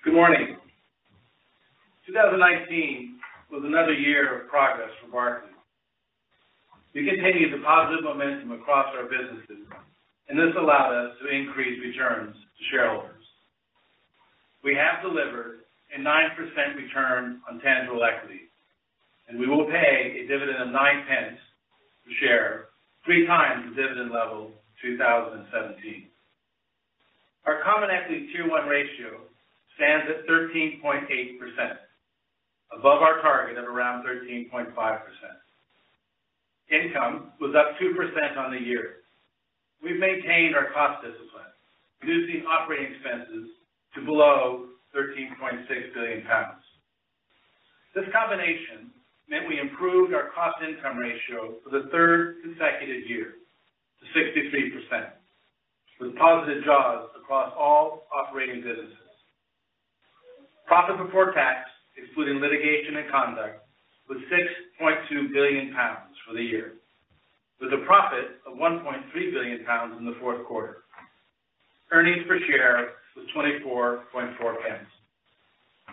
Good morning. 2019 was another year of progress for Barclays. We continued the positive momentum across our businesses, and this allowed us to increase returns to shareholders. We have delivered a 9% return on tangible equity, and we will pay a dividend of 0.09 per share, three times the dividend level of 2017. Our common equity Tier 1 ratio stands at 13.8%, above our target of around 13.5%. Income was up 2% on the year. We've maintained our cost discipline, reducing operating expenses to below 13.6 billion pounds. This combination meant we improved our cost-income ratio for the third consecutive year to 63%, with positive jaws across all operating businesses. Profit before tax, excluding litigation and conduct, was 6.2 billion pounds for the year, with a profit of 1.3 billion pounds in the fourth quarter. Earnings per share was 0.244.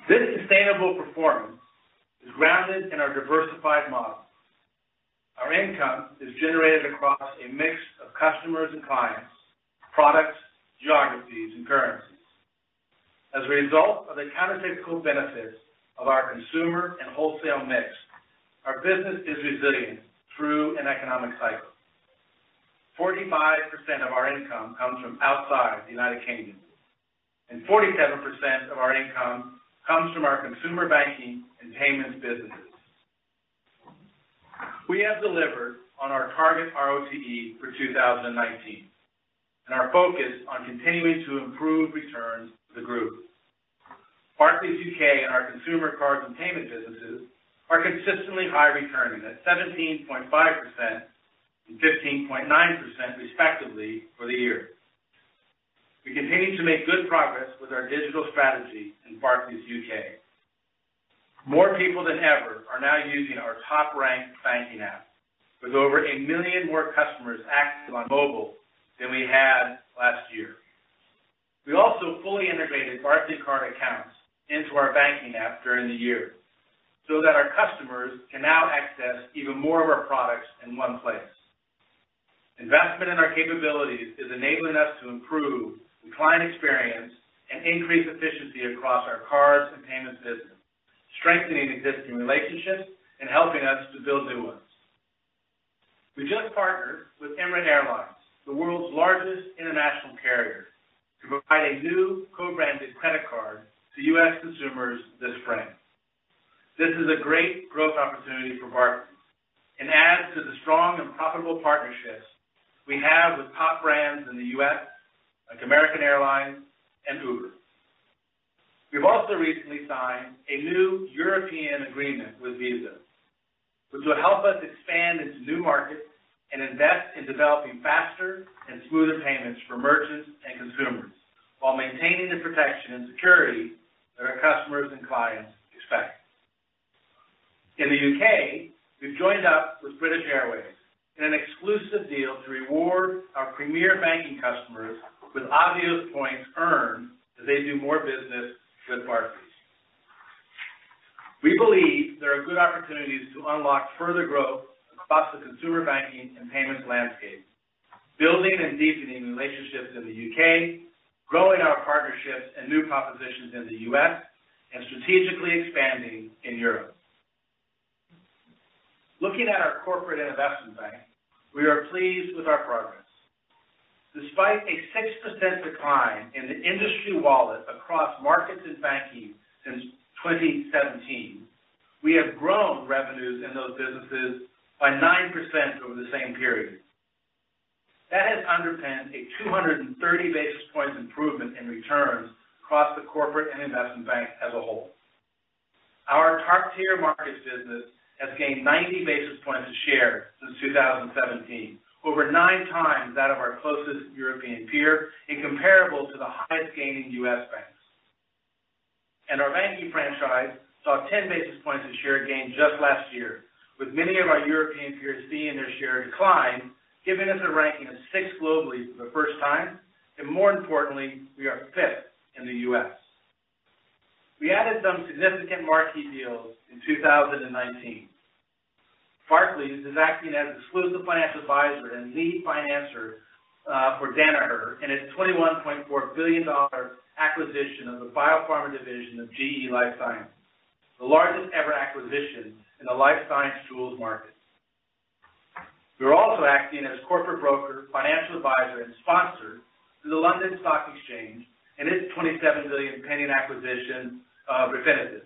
This sustainable performance is grounded in our diversified model. Our income is generated across a mix of customers and clients, products, geographies, and currencies. As a result of the countercyclical benefits of our consumer and wholesale mix, our business is resilient through an economic cycle. 45% of our income comes from outside the United Kingdom, and 47% of our income comes from our Consumer, Cards and Payments businesses. We have delivered on our target RoTE for 2019, and are focused on continuing to improve returns to the group. Barclays UK and our Consumer, Cards and Payments businesses are consistently high returning at 17.5% and 15.9%, respectively, for the year. We continue to make good progress with our digital strategy in Barclays UK. More people than ever are now using our top-ranked banking app, with over 1 million more customers active on mobile than we had last year. We also fully integrated Barclays card accounts into our banking app during the year so that our customers can now access even more of our products in one place. Investment in our capabilities is enabling us to improve the client experience and increase efficiency across our cards and payments business, strengthening existing relationships and helping us to build new ones. We just partnered with Emirates Airline, the world's largest international carrier, to provide a new co-branded credit card to U.S. consumers this spring. This is a great growth opportunity for Barclays and adds to the strong and profitable partnerships we have with top brands in the U.S., like American Airlines and Uber. We've also recently signed a new European agreement with Visa, which will help us expand into new markets and invest in developing faster and smoother payments for merchants and consumers while maintaining the protection and security that our customers and clients expect. In the U.K., we've joined up with British Airways in an exclusive deal to reward our premier banking customers with Avios points earned as they do more business with Barclays. We believe there are good opportunities to unlock further growth across the consumer banking and payments landscape, building and deepening relationships in the U.K., growing our partnerships and new propositions in the U.S., and strategically expanding in Europe. Looking at our Corporate and Investment Bank, we are pleased with our progress. Despite a 6% decline in the industry wallet across markets and banking since 2017, we have grown revenues in those businesses by 9% over the same period. That has underpinned a 230 basis point improvement in returns across the Corporate & Investment Bank as a whole. Our top-tier markets business has gained 90 basis points of share since 2017, over nine times that of our closest European peer and comparable to the highest-gaining U.S. banks. Our banking franchise saw 10 basis points of share gain just last year, with many of our European peers seeing their share decline, giving us a ranking of sixth globally for the first time, and more importantly, we are fifth in the U.S. We added some significant marquee deals in 2019. Barclays is acting as exclusive finance advisor and lead financer for Danaher in its $21.4 billion acquisition of the biopharma division of GE Life Sciences, the largest ever acquisition in the life science tools market. We're also acting as corporate broker, financial advisor, and sponsor to the London Stock Exchange and its $27 billion pending acquisition of Refinitiv.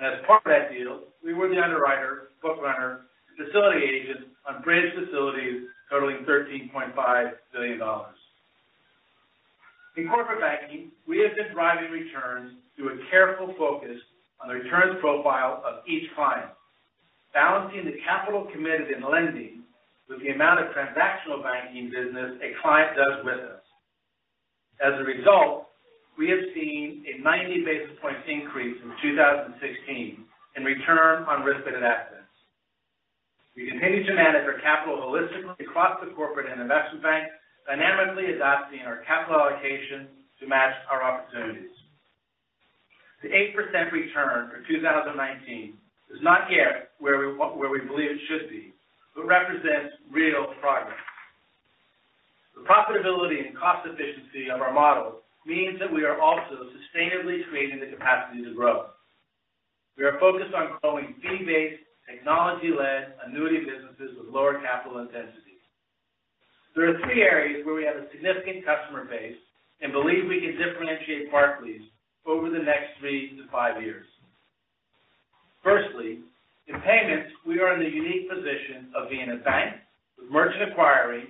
As part of that deal, we were the underwriter, book runner, and facility agent on bridge facilities totaling $13.5 billion. In corporate banking, we have been driving returns through a careful focus on the returns profile of each client, balancing the capital committed in lending with the amount of transactional banking business a client does with us. As a result, we have seen a 90-basis point increase since 2016 in return on risk-weighted assets. We continue to manage our capital holistically across the Corporate and Investment Bank, dynamically adapting our capital allocation to match our opportunities. The 8% return for 2019 is not yet where we believe it should be, but represents real progress. The profitability and cost efficiency of our model means that we are also sustainably creating the capacity to grow. We are focused on growing fee-based, technology-led annuity businesses with lower capital intensity. There are three areas where we have a significant customer base and believe we can differentiate Barclays over the next three to five years. Firstly, in payments, we are in the unique position of being a bank with merchant acquiring,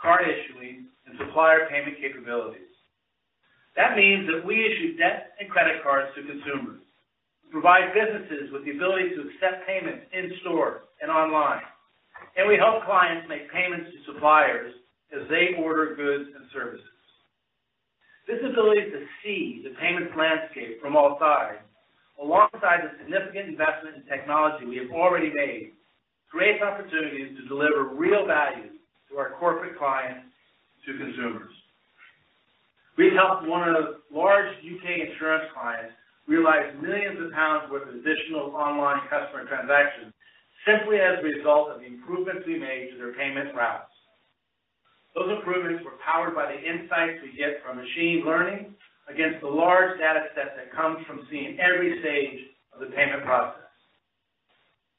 card issuing, and supplier payment capabilities. That means that we issue debt and credit cards to consumers, provide businesses with the ability to accept payments in-store and online, and we help clients make payments to suppliers as they order goods and services. This ability to see the payments landscape from all sides, alongside the significant investment in technology we have already made, creates opportunities to deliver real value to our corporate clients, to consumers. We've helped one of the large U.K. insurance clients realize millions of GBP worth of additional online customer transactions simply as a result of the improvements we made to their payment routes. Those improvements were powered by the insights we get from machine learning against the large data set that comes from seeing every stage of the payment process.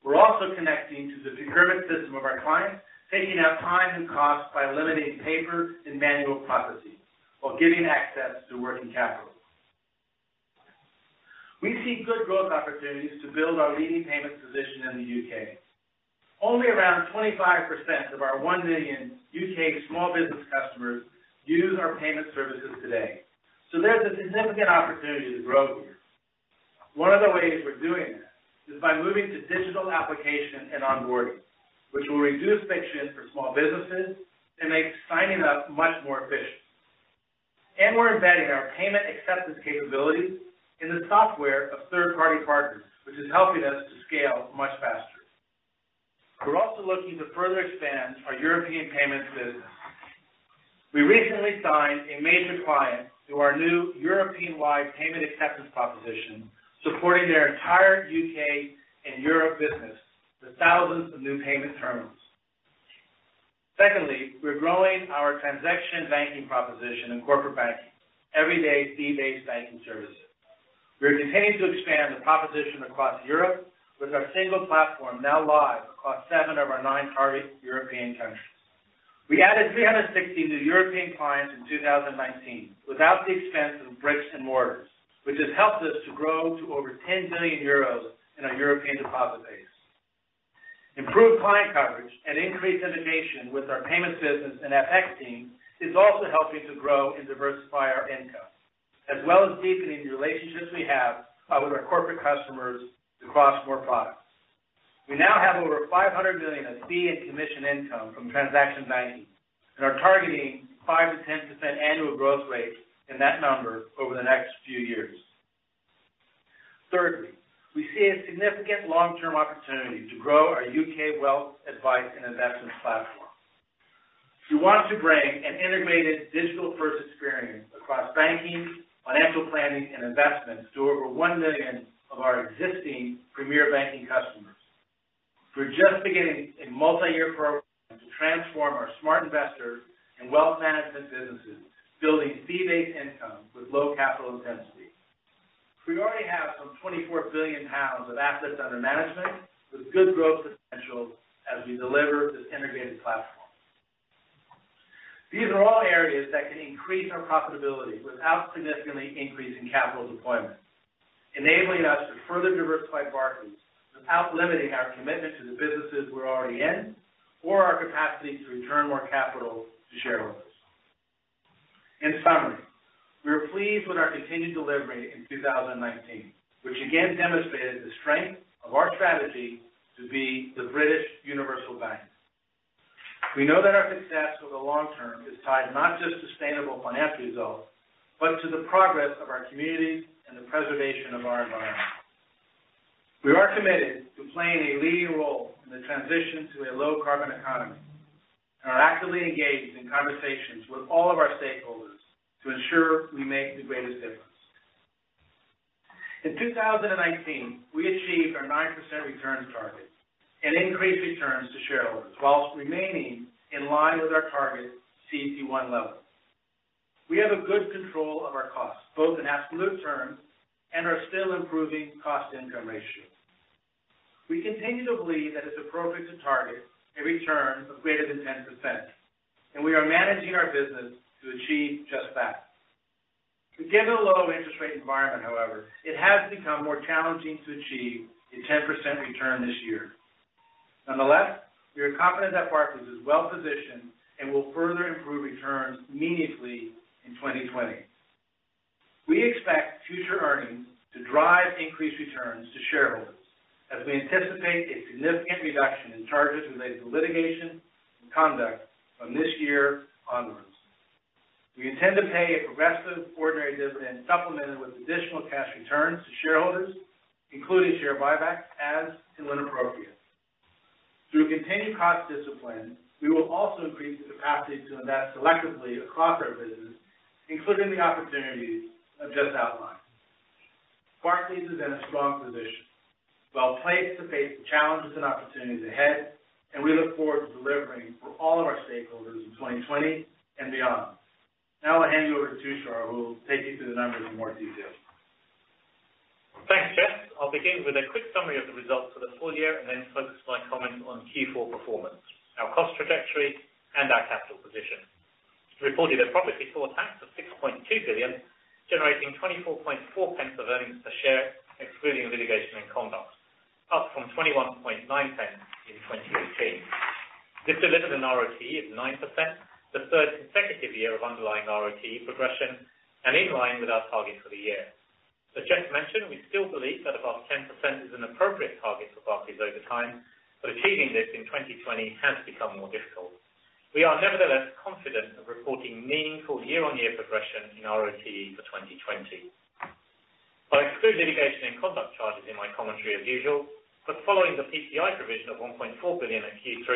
We're also connecting to the procurement system of our clients, taking out time and cost by eliminating paper and manual processes while giving access to working capital. We see good growth opportunities to build our leading payments position in the U.K. Only around 25% of our 1 million U.K. small business customers use our payment services today. There's a significant opportunity to grow here. One of the ways we're doing that is by moving to digital application and onboarding, which will reduce friction for small businesses and make signing up much more efficient. We're embedding our payment acceptance capabilities in the software of third-party partners, which is helping us to scale much faster. We're also looking to further expand our European payments business. We recently signed a major client to our new European-wide payment acceptance proposition, supporting their entire U.K. and Europe business with thousands of new payment terminals. Secondly, we're growing our transaction banking proposition in corporate banking, everyday fee-based banking services. We're continuing to expand the proposition across Europe with our single platform now live across seven of our nine target European countries. We added 360 new European clients in 2019 without the expense of bricks and mortars, which has helped us to grow to over 10 billion euros in our European deposit base. Improved client coverage and increased integration with our payments business and FX team is also helping to grow and diversify our income, as well as deepening the relationships we have with our corporate customers across more products. We now have over 500 million of fee and commission income from transaction banking and are targeting 5%-10% annual growth rates in that number over the next few years. Thirdly, we see a significant long-term opportunity to grow our U.K. wealth advice and investments platform. We want to bring an integrated digital-first experience across banking, financial planning, and investments to over 1 million of our existing premier banking customers. We're just beginning a multi-year program to transform our Smart Investor and wealth management businesses, building fee-based income with low capital intensity. We already have some 24 billion pounds of assets under management with good growth potential as we deliver this integrated platform. These are all areas that can increase our profitability without significantly increasing capital deployment, enabling us to further diversify Barclays without limiting our commitment to the businesses we're already in or our capacity to return more capital to shareholders. In summary, we are pleased with our continued delivery in 2019, which again demonstrated the strength of our strategy to be the British universal bank. We know that our success over the long term is tied not just to sustainable financial results, but to the progress of our community and the preservation of our environment. We are committed to playing a leading role in the transition to a low-carbon economy and are actively engaged in conversations with all of our stakeholders to ensure we make the greatest difference. In 2019, we achieved our 9% return target and increased returns to shareholders while remaining in line with our target CET1 level. We have a good control of our costs, both in absolute terms, and are still improving cost-income ratio. We continue to believe that it's appropriate to target a return of greater than 10%, and we are managing our business to achieve just that. Given the low interest rate environment, however, it has become more challenging to achieve a 10% return this year. Nonetheless, we are confident that Barclays is well positioned and will further improve returns meaningfully in 2020. We expect future earnings to drive increased returns to shareholders as we anticipate a significant reduction in charges related to litigation and conduct from this year onwards. We intend to pay a progressive ordinary dividend supplemented with additional cash returns to shareholders, including share buybacks, as and when appropriate. Through continued cost discipline, we will also increase the capacity to invest selectively across our business, including the opportunities I've just outlined. Barclays is in a strong position. Well-placed to face the challenges and opportunities ahead, we look forward to delivering for all of our stakeholders in 2020 and beyond. I'll hand you over to Tushar, who will take you through the numbers in more detail. Thanks, Jes. I'll begin with a quick summary of the results for the full year, and then focus my comments on Q4 performance, our cost trajectory, and our capital position. We reported a profit before tax of 6.2 billion, generating 0.244 of earnings per share, excluding litigation and conduct, up from 0.219 in 2018. This delivered an RoTE of 9%, the third consecutive year of underlying RoTE progression, and in line with our target for the year. As Jes mentioned, we still believe that above 10% is an appropriate target for Barclays over time, but achieving this in 2020 has become more difficult. We are nevertheless confident of reporting meaningful year-on-year progression in RoTE for 2020. I exclude litigation and conduct charges in my commentary as usual, but following the PPI provision of 1.4 billion in Q3,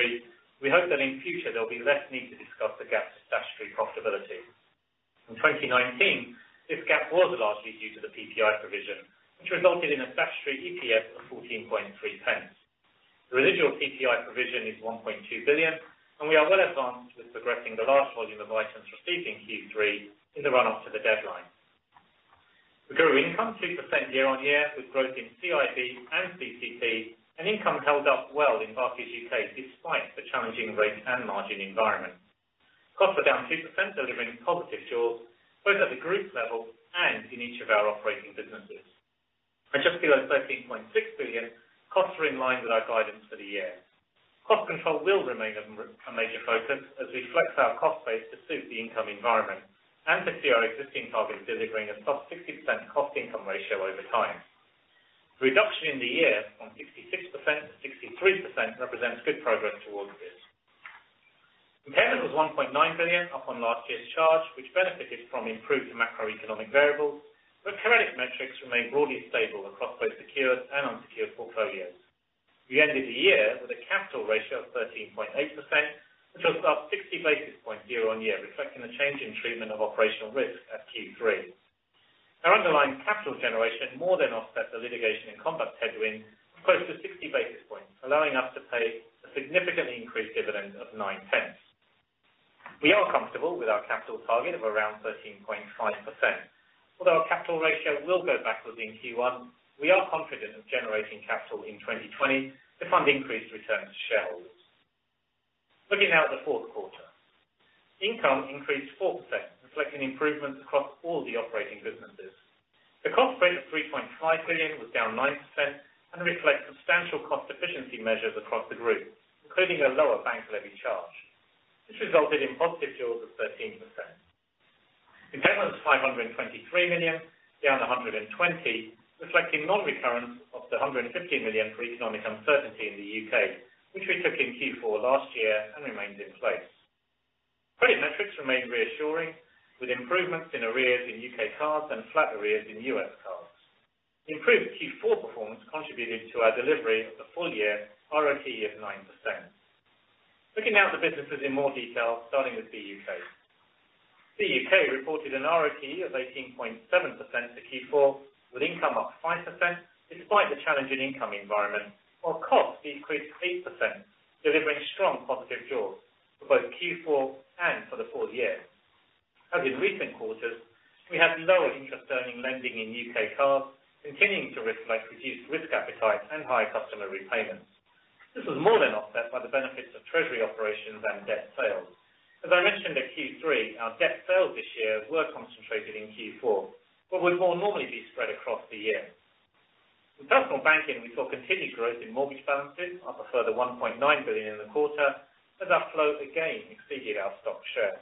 we hope that in future there will be less need to discuss the gap to statutory profitability. In 2019, this gap was largely due to the PPI provision, which resulted in a statutory EPS of 0.143. The residual PPI provision is 1.2 billion, and we are well advanced with progressing the last volume of license received in Q3 in the run up to the deadline. We grew income 2% year-on-year, with growth in CIB and CC&P, and income held up well in Barclays UK despite the challenging rate and margin environment. Costs are down 2%, delivering positive jaws, both at the group level and in each of our operating businesses. At just below 13.6 billion, costs are in line with our guidance for the year. Cost control will remain a major focus as we flex our cost base to suit the income environment and to see our existing target delivering a sub 60% cost income ratio over time. The reduction in the year from 66% to 63% represents good progress towards this. Impairment was 1.9 billion, up on last year's charge, which benefited from improved macroeconomic variables, but credit metrics remained broadly stable across both secured and unsecured portfolios. We ended the year with a capital ratio of 13.8%, which was up 60 basis points year-on-year, reflecting the change in treatment of operational risk at Q3. Our underlying capital generation more than offset the litigation and conduct headwind of close to 60 basis points, allowing us to pay a significantly increased dividend of 0.09. We are comfortable with our capital target of around 13.5%. Although our capital ratio will go backwards in Q1, we are confident of generating capital in 2020 to fund increased returns to shareholders. Looking now at the fourth quarter. Income increased 4%, reflecting improvements across all the operating businesses. The cost base of 3.5 billion was down 9% and reflect substantial cost efficiency measures across the group, including a lower bank levy charge. This resulted in positive jaws of 13%. Impairment was 523 million, down 120, reflecting non-recurrence of the 150 million for economic uncertainty in the U.K., which we took in Q4 last year and remains in place. Credit metrics remain reassuring, with improvements in arrears in U.K. cards and flat arrears in U.S. cards. The improved Q4 performance contributed to our delivery of the full year RoTE of 9%. Looking now at the businesses in more detail, starting with BUK. BUK reported an RoTE of 18.7% for Q4, with income up 5%, despite the challenging income environment, while costs decreased 8%, delivering strong positive jaws for both Q4 and for the full year. As in recent quarters, we had lower interest earning lending in UK cards, continuing to reflect reduced risk appetite and higher customer repayments. This was more than offset by the benefits of treasury operations and debt sales. As I mentioned at Q3, our debt sales this year were concentrated in Q4, but would more normally be spread across the year. In personal banking, we saw continued growth in mortgage balances, up a further 1.9 billion in the quarter, as outflow again exceeded our stock share.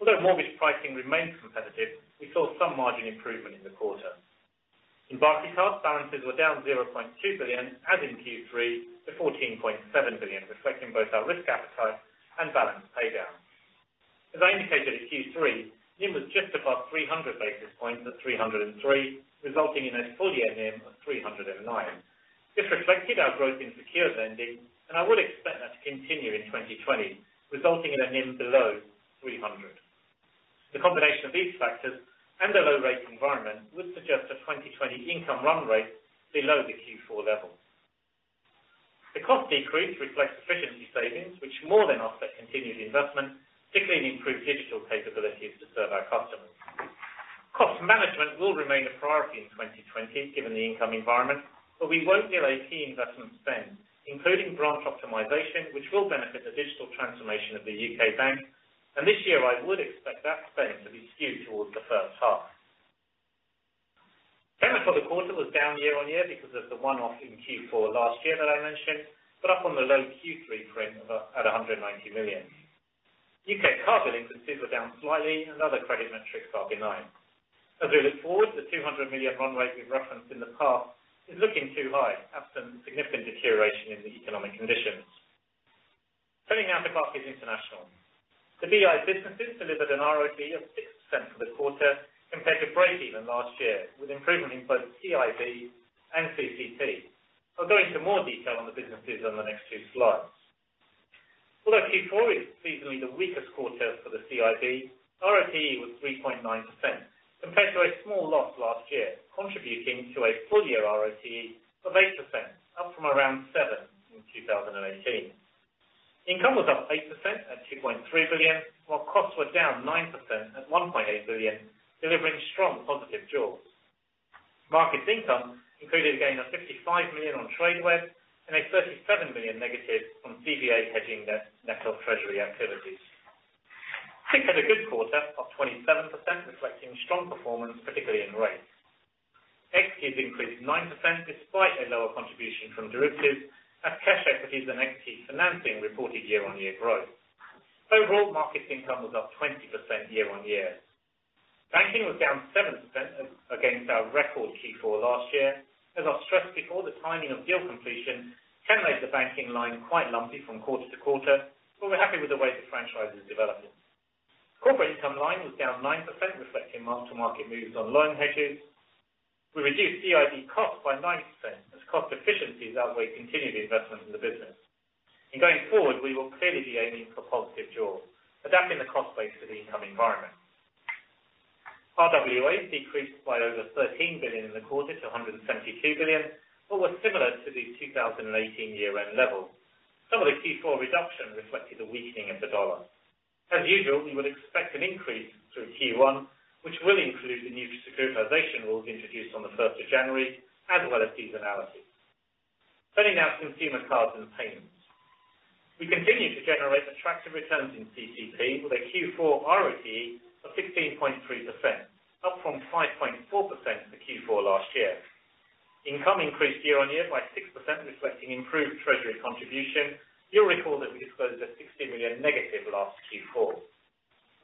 Although mortgage pricing remains competitive, we saw some margin improvement in the quarter. In Barclaycard, balances were down 0.2 billion, as in Q3, to 14.7 billion, reflecting both our risk appetite and balance pay downs. As I indicated at Q3, NIM was just above 300 basis points at 303, resulting in a full-year NIM of 309. This reflected our growth in secured lending, and I would expect that to continue in 2020, resulting in a NIM below 300. The combination of these factors and a low rate environment would suggest a 2020 income run rate below the Q4 level. The cost decrease reflects efficiency savings, which more than offset continued investment, particularly in improved digital capabilities to serve our customers. Cost management will remain a priority in 2020, given the income environment, but we won't delay key investment spend, including branch optimization, which will benefit the digital transformation of the U.K. bank. This year I would expect that spend to be skewed towards the first half. Payment for the quarter was down year-on-year because of the one-off in Q4 last year that I mentioned, but up on the low Q3 print at 190 million. U.K. card delinquencies were down slightly and other credit metrics are benign. As we look forward, the 200 million run rate we've referenced in the past is looking too high absent significant deterioration in the economic conditions. Turning now to Barclays International. The BI businesses delivered an RoTE of 6% for the quarter compared to breakeven last year, with improvement in both CIB and CC&P. I'll go into more detail on the businesses on the next two slides. Although Q4 is seasonally the weakest quarter for the CIB, ROAE was 3.9%, compared to a small loss last year, contributing to a full year ROAE of 8%, up from around 7% in 2018. Income was up 8% at 2.3 billion, while costs were down 9% at 1.8 billion, delivering strong positive jaws. Markets income included a gain of 55 million on Tradeweb and a 37 million negative from CVA hedging net of treasury activities. FICC had a good quarter of 27%, reflecting strong performance, particularly in rates. Equities increased 9% despite a lower contribution from derivatives, as cash equities and equity financing reported year-on-year growth. Overall markets income was up 20% year-on-year. Banking was down 7% against our record Q4 last year. As I've stressed before, the timing of deal completion can make the banking line quite lumpy from quarter to quarter, but we're happy with the way the franchise is developing. Corporate income line was down 9%, reflecting mark-to-market moves on loan hedges. We reduced CIB costs by 90% as cost efficiencies outweigh continued investment in the business. Going forward, we will clearly be aiming for positive jaws, adapting the cost base to the income environment. RWA decreased by over 13 billion in the quarter to 172 billion, but was similar to the 2018 year-end level. Some of the Q4 reduction reflected a weakening of the dollar. As usual, we would expect an increase through Q1, which will include the new securitization rules introduced on the 1st of January, as well as seasonality. Turning now to Consumer, Cards and Payments. We continue to generate attractive returns in CC&P with a Q4 RoTE of 16.3%, up from 5.4% for Q4 last year. Income increased year-on-year by 6%, reflecting improved treasury contribution. You'll recall that we disclosed a 60 million negative last Q4.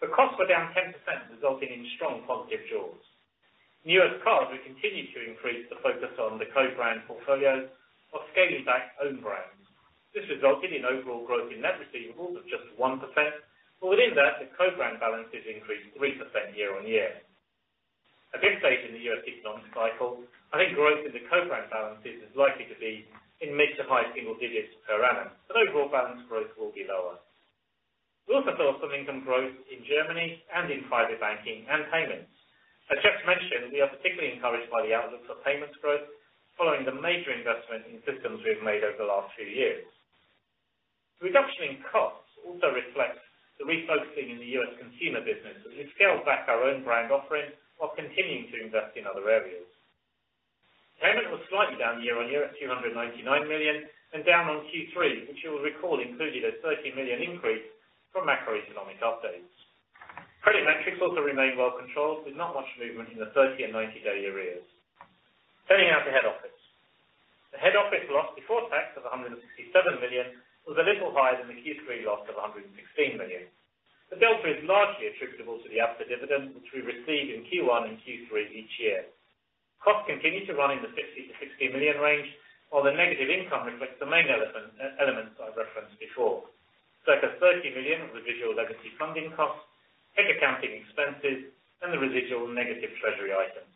The costs were down 10%, resulting in strong positive jaws. New U.S. cards will continue to increase the focus on the co-brand portfolios while scaling back own brands. Within that, the co-brand balances increased 3% year-on-year. At this stage in the U.S. economic cycle, I think growth in the co-brand balances is likely to be in mid to high single digits per annum, but overall balance growth will be lower. We also saw some income growth in Germany and in private banking and payments. As Jes mentioned, we are particularly encouraged by the outlook for payments growth following the major investment in systems we have made over the last two years. The reduction in costs also reflects the refocusing in the U.S. consumer business, as we've scaled back our own brand offering while continuing to invest in other areas. Payment was slightly down year-over-year at 299 million and down on Q3, which you will recall included a 13 million increase from macroeconomic updates. Credit metrics also remain well controlled with not much movement in the 30- and 90-day arrears. Turning now to head office. The head office loss before tax of 167 million was a little higher than the Q3 loss of 116 million. The delta is largely attributable to the absent dividend, which we receive in Q1 and Q3 each year. Costs continue to run in the 60 million-60 million range, while the negative income reflects the main elements I've referenced before. Circa 30 million of the residual legacy funding costs, hedge accounting expenses, and the residual negative treasury items.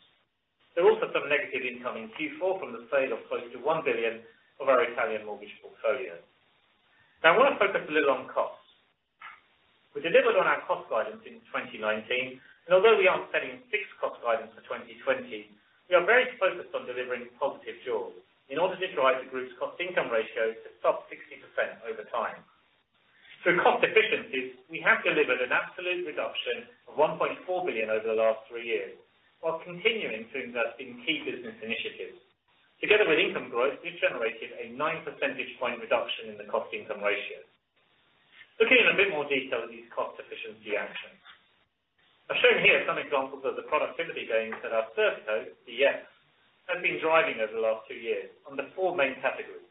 There are also some negative income in Q4 from the sale of close to 1 billion of our Italian mortgage portfolio. I want to focus a little on costs. We delivered on our cost guidance in 2019. Although we aren't setting fixed cost guidance for 2020, we are very focused on delivering positive jaws in order to drive the group's cost-income ratio to sub 60% over time. Through cost efficiencies, we have delivered an absolute reduction of 1.4 billion over the last three years while continuing to invest in key business initiatives. Together with income growth, we've generated a nine percentage point reduction in the cost-income ratio. Looking in a bit more detail at these cost efficiency actions. I've shown here some examples of the productivity gains that our ServCo, DX, has been driving over the last two years under four main categories.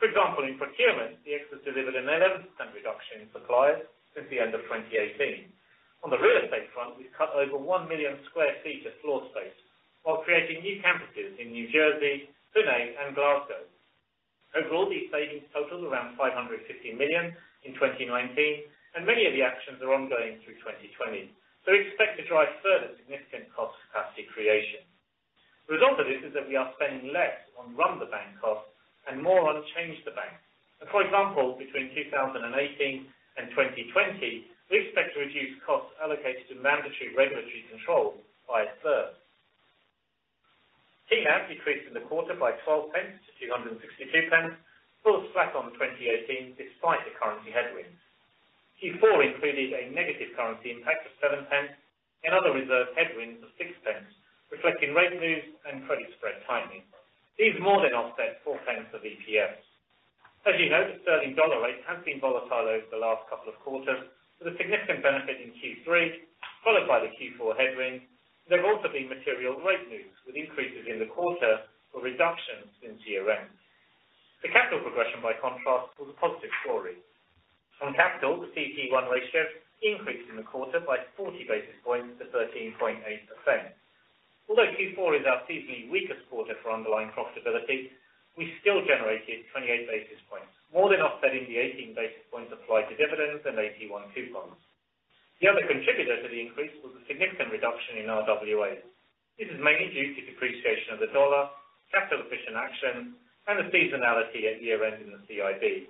For example, in procurement, DX has delivered an 11% reduction in suppliers since the end of 2018. On the real estate front, we've cut over one million sq ft of floor space while creating new campuses in New Jersey, Pune, and Glasgow. Overall, these savings total around 550 million in 2019, many of the actions are ongoing through 2020. We expect to drive further significant cost capacity creation. The result of this is that we are spending less on run-the-bank costs and more on change the bank. For example, between 2018 and 2020, we expect to reduce costs allocated to mandatory regulatory control by a third. TNAB decreased in the quarter by 0.12 to 2.62, still flat on 2018 despite the currency headwinds. Q4 included a negative currency impact of 0.07 and other reserve headwinds of 0.06, reflecting rate moves and credit spread tightening. These more than offset 0.04 of EPS. As you know, the sterling dollar rates have been volatile over the last couple of quarters with a significant benefit in Q3, followed by the Q4 headwind. There have also been material rate moves with increases in the quarter or reductions since year-end. The capital progression, by contrast, was a positive story. On capital, the CET1 ratio increased in the quarter by 40 basis points to 13.8%. Although Q4 is our seasonally weakest quarter for underlying profitability, we still generated 28 basis points, more than offsetting the 18 basis points applied to dividends and AT1 coupons. The other contributor to the increase was the significant reduction in RWA. This is mainly due to depreciation of the dollar, capital efficient action, and the seasonality at year end in the CIB.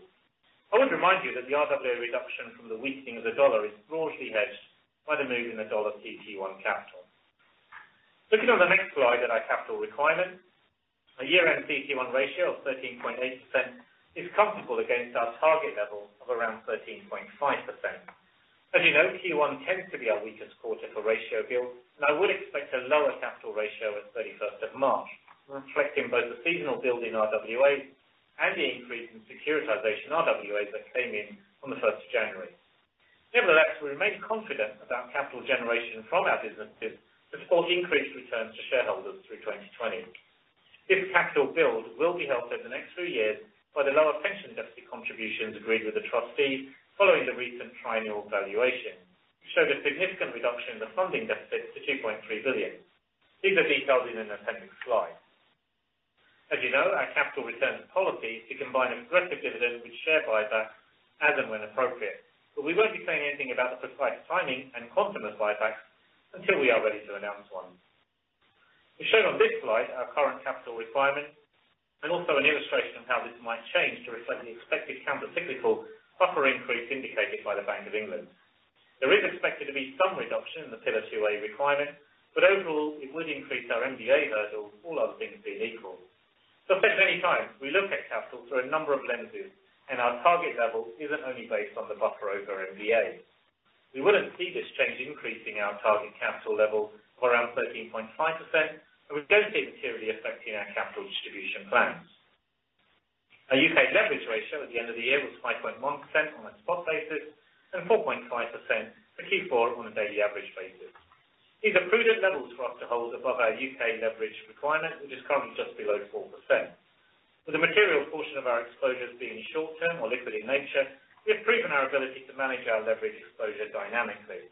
I would remind you that the RWA reduction from the weakening of the dollar is largely hedged by the move in the dollar CET1 capital. Looking on the next slide at our capital requirements, our year-end CET1 ratio of 13.8% is comfortable against our target level of around 13.5%. As you know, Q1 tends to be our weakest quarter for ratio build, and I would expect a lower capital ratio at March 31st, reflecting both the seasonal build in RWAs and the increase in securitization RWAs that came in on the January 1st. Nevertheless, we remain confident about capital generation from our businesses to support increased returns to shareholders through 2020. This capital build will be helped over the next three years by the lower pension deficit contributions agreed with the trustees following the recent triennial valuation, which showed a significant reduction in the funding deficit to 2.3 billion. These are detailed in an appendix slide. As you know, our capital returns policy is to combine aggressive dividends with share buybacks as and when appropriate. We won't be saying anything about the precise timing and quantum of buybacks until we are ready to announce one. We've shown on this slide our current capital requirement and also an illustration of how this might change to reflect the expected countercyclical buffer increase indicated by the Bank of England. There is expected to be some reduction in the Pillar 2A requirement, but overall, it would increase our MDA hurdle, all other things being equal. As any time, we look at capital through a number of lenses, and our target level isn't only based on the buffer over MDA. We wouldn't see this change increasing our target capital level of around 13.5%, and we don't see it materially affecting our capital distribution plans. Our U.K. leverage ratio at the end of the year was 5.1% on a spot basis and 4.5% for Q4 on a daily average basis. These are prudent levels for us to hold above our U.K. leverage requirement, which is currently just below 4%. With a material portion of our exposures being short term or liquid in nature, we have proven our ability to manage our leverage exposure dynamically.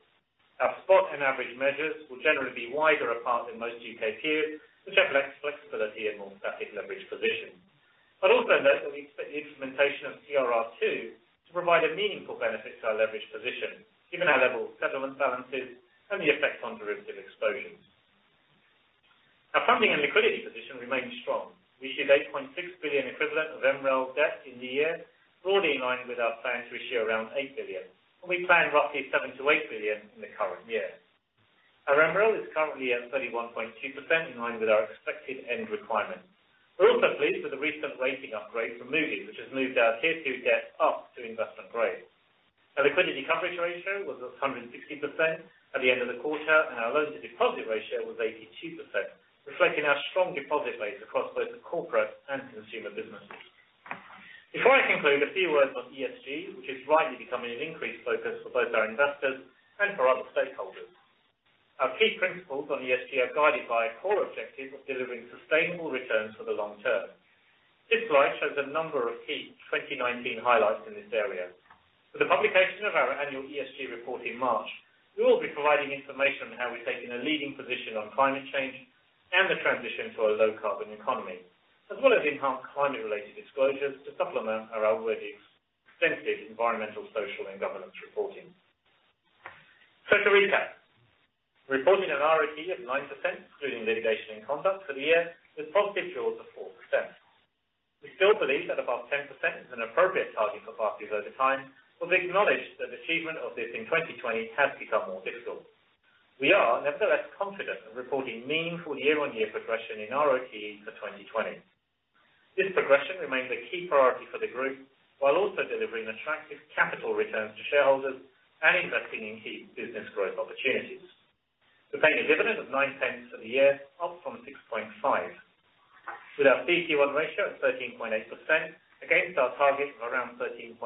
Our spot and average measures will generally be wider apart than most U.K. peers, which reflects flexibility in more static leverage positions. I'd also note that we expect the implementation of CRR2 to provide a meaningful benefit to our leverage position, given our level of settlement balances and the effect on derivative exposures. Our funding and liquidity position remains strong. We issued 8.6 billion equivalent of MREL debt in the year, broadly in line with our plan to issue around 8 billion. We plan roughly 7 billion-8 billion in the current year. Our MREL is currently at 31.2%, in line with our expected end requirement. We're also pleased with the recent rating upgrade from Moody's, which has moved our Tier 2 debt up to investment grade. Our liquidity coverage ratio was 160% at the end of the quarter, and our loan-to-deposit ratio was 82%, reflecting our strong deposit base across both the corporate and consumer businesses. Before I conclude, a few words on ESG, which is rightly becoming an increased focus for both our investors and for other stakeholders. Our key principles on ESG are guided by a core objective of delivering sustainable returns for the long term. This slide shows a number of key 2019 highlights in this area. With the publication of our annual ESG report in March, we will be providing information on how we've taken a leading position on climate change and the transition to a low carbon economy, as well as enhanced climate related disclosures to supplement our already extensive environmental, social, and governance reporting. To recap, we're reporting an RoTE of 9%, excluding litigation and conduct for the year, with profit growth of 4%. We still believe that above 10% is an appropriate target for Barclays over time. We acknowledge that achievement of this in 2020 has become more difficult. We are nevertheless confident in reporting meaningful year-on-year progression in RoTE for 2020. This progression remains a key priority for the group while also delivering attractive capital returns to shareholders and investing in key business growth opportunities. We paid a dividend of 0.09 for the year, up from 0.065. With our CET1 ratio of 13.8% against our target of around 13.5%,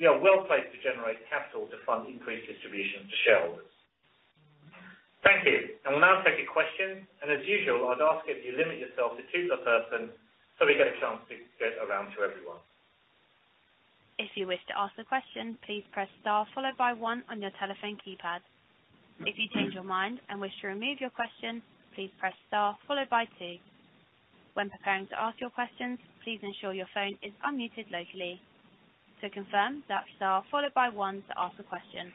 we are well placed to generate capital to fund increased distributions to shareholders. Thank you. I will now take a question. As usual, I'd ask if you limit yourself to two per person. We get a chance to get around to everyone. If you wish to ask the question, please press Star followed by one on your telephone keypad. If you change your mind and wish to remove your question, please press Star followed by two. When preparing to ask your questions, please ensure your phone is unmuted locally. To confirm, that's Star followed by one to ask a question.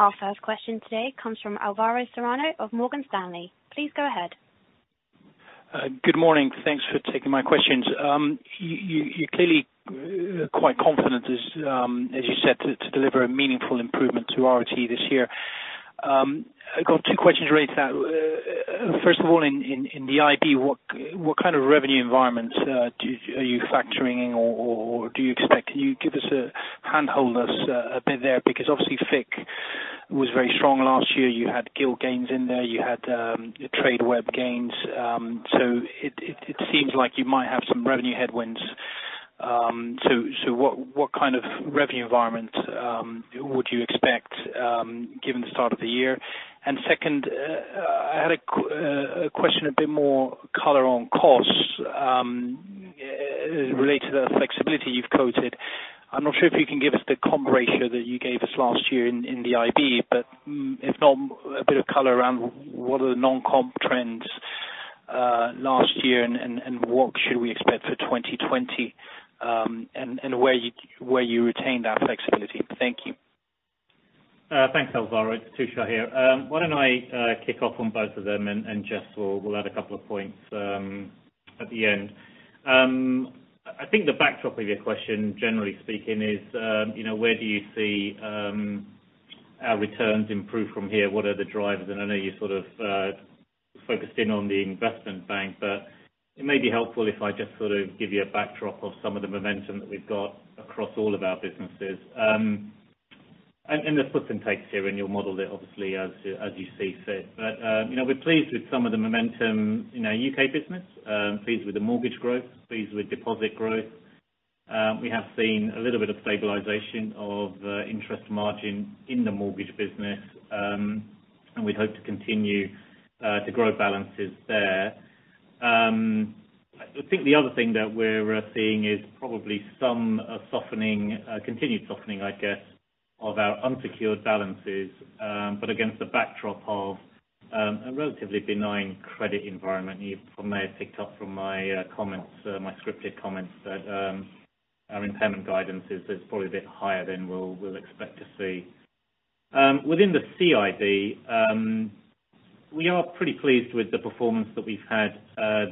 Our first question today comes from Alvaro Serrano of Morgan Stanley. Please go ahead. Good morning. Thanks for taking my questions. You clearly are quite confident as you said, to deliver a meaningful improvement to RoTE this year. I got two questions related to that. First of all, in the IB, what kind of revenue environment are you factoring or do you expect? Can you give us a handhold us a bit there? Obviously, FICC was very strong last year. You had gilt gains in there, you had your Tradeweb gains. It seems like you might have some revenue headwinds. What kind of revenue environment would you expect given the start of the year? Second, I had a question, a bit more color on costs related to that flexibility you've quoted. I'm not sure if you can give us the comp ratio that you gave us last year in the IB, but if not, a bit of color around what are the non-comp trends last year and what should we expect for 2020, and where you retain that flexibility. Thank you. Thanks, Alvaro. It's Tushar here. Why don't I kick off on both of them and Jes will add a couple of points at the end. I think the backdrop of your question, generally speaking, is where do you see our returns improve from here? What are the drivers? I know you sort of focused in on the investment bank, but it may be helpful if I just give you a backdrop of some of the momentum that we've got across all of our businesses. There's plus and takes here, and you'll model it obviously as you see fit. We're pleased with some of the momentum in our UK business. Pleased with the mortgage growth, pleased with deposit growth. We have seen a little bit of stabilization of interest margin in the mortgage business, and we'd hope to continue to grow balances there. I think the other thing that we're seeing is probably some continued softening, I'd guess, of our unsecured balances, but against a backdrop of a relatively benign credit environment. You may have picked up from my scripted comments that our impairment guidance is probably a bit higher than we'll expect to see. Within the CIB, we are pretty pleased with the performance that we've had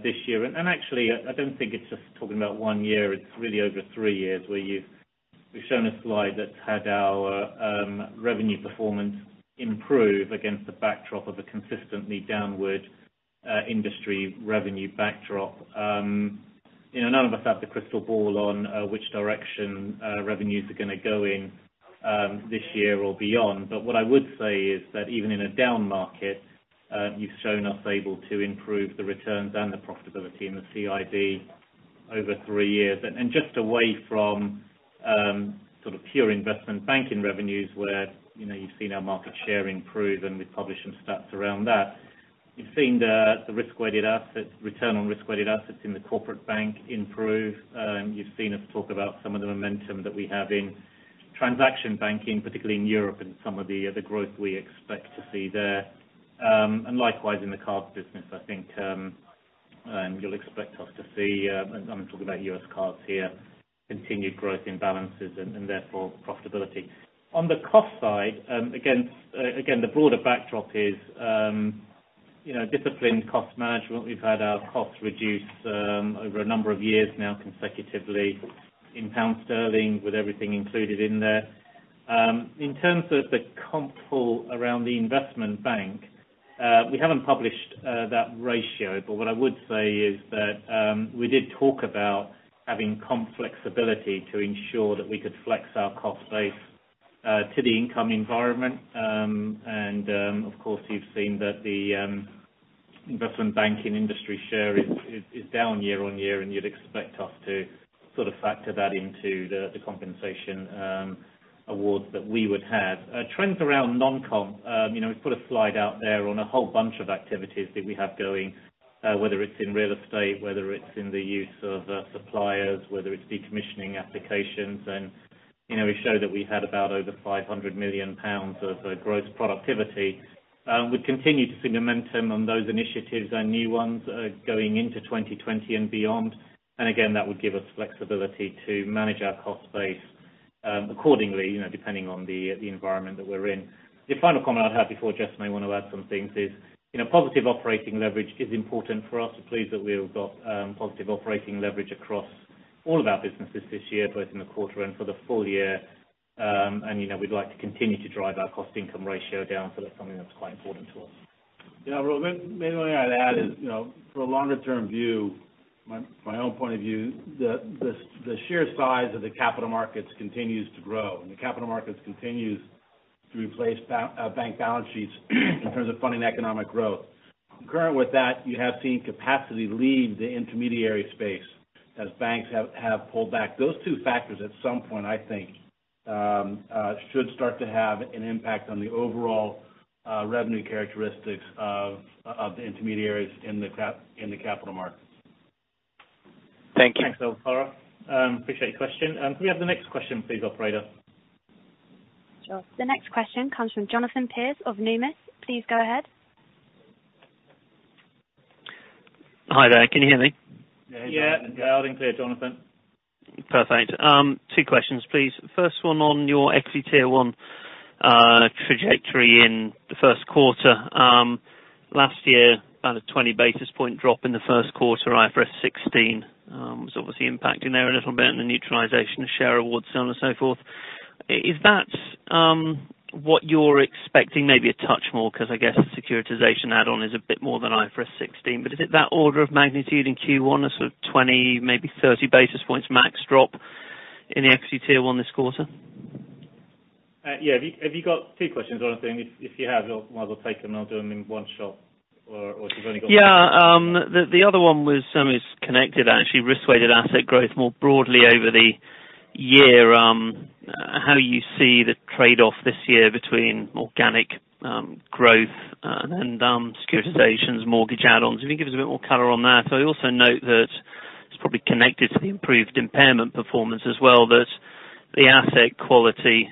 this year. Actually, I don't think it's just talking about one year, it's really over three years, where we've shown a slide that had our revenue performance improve against the backdrop of a consistently downward industry revenue backdrop. None of us have the crystal ball on which direction revenues are going to go in this year or beyond. What I would say is that even in a down market, you've shown us able to improve the returns and the profitability in the CIB over 3 years. Just away from pure investment banking revenues where you've seen our market share improve and we publish some stats around that. You've seen the return on risk-weighted assets in the corporate bank improve. You've seen us talk about some of the momentum that we have in transaction banking, particularly in Europe and some of the other growth we expect to see there. Likewise, in the cards business, I think you'll expect us to see, I'm talking about U.S. cards here, continued growth in balances and therefore profitability. On the cost side, again, the broader backdrop is disciplined cost management. We've had our costs reduced over a number of years now consecutively in pound sterling with everything included in there. In terms of the comp pool around the investment bank, we haven't published that ratio, but what I would say is that we did talk about having comp flexibility to ensure that we could flex our cost base to the income environment. Of course, you've seen that the investment banking industry share is down year-over-year, and you'd expect us to factor that into the compensation awards that we would have. Trends around non-comp, we put a slide out there on a whole bunch of activities that we have going, whether it's in real estate, whether it's in the use of suppliers, whether it's decommissioning applications. We showed that we had about over 500 million pounds of gross productivity. We continue to see momentum on those initiatives and new ones going into 2020 and beyond. Again, that would give us flexibility to manage our cost base accordingly, depending on the environment that we're in. The final comment I'd have before Jes may want to add some things is, positive operating leverage is important for us. We're pleased that we've got positive operating leverage across all of our businesses this year, both in the quarter and for the full year. We'd like to continue to drive our cost income ratio down. That's something that's quite important to us. Yeah. The main way I'd add is, for a longer-term view, my own point of view, the sheer size of the capital markets continues to grow, and the capital markets continues to replace bank balance sheets in terms of funding economic growth. Concurrent with that, you have seen capacity leave the intermediary space as banks have pulled back. Those two factors at some point, I think, should start to have an impact on the overall revenue characteristics of the intermediaries in the capital markets. Thank you. Thanks, Alvaro. Appreciate your question. Can we have the next question please, operator? Sure. The next question comes from Jonathan Pierce of Numis. Please go ahead. Hi there. Can you hear me? Yeah. Yeah. Loud and clear, Jonathan. Perfect. Two questions, please. First one on your CET1 trajectory in the first quarter. Last year, about a 20 basis point drop in the first quarter IFRS 16. Was obviously impacting there a little bit and the neutralization of share awards, so on and so forth. Is that what you're expecting? Maybe a touch more because I guess the securitization add-on is a bit more than IFRS 16. Is it that order of magnitude in Q1, a sort of 20, maybe 30 basis points max drop in the CET1 this quarter? Yeah. Have you got two questions, Jonathan? If you have, might as well take them and I'll do them in one shot. If you've only got one. Yeah. The other one was connected, actually. Risk-weighted asset growth more broadly over the year. How you see the trade-off this year between organic growth and then securitizations mortgage add-ons? Can you give us a bit more color on that? I also note that it's probably connected to the improved impairment performance as well that the asset quality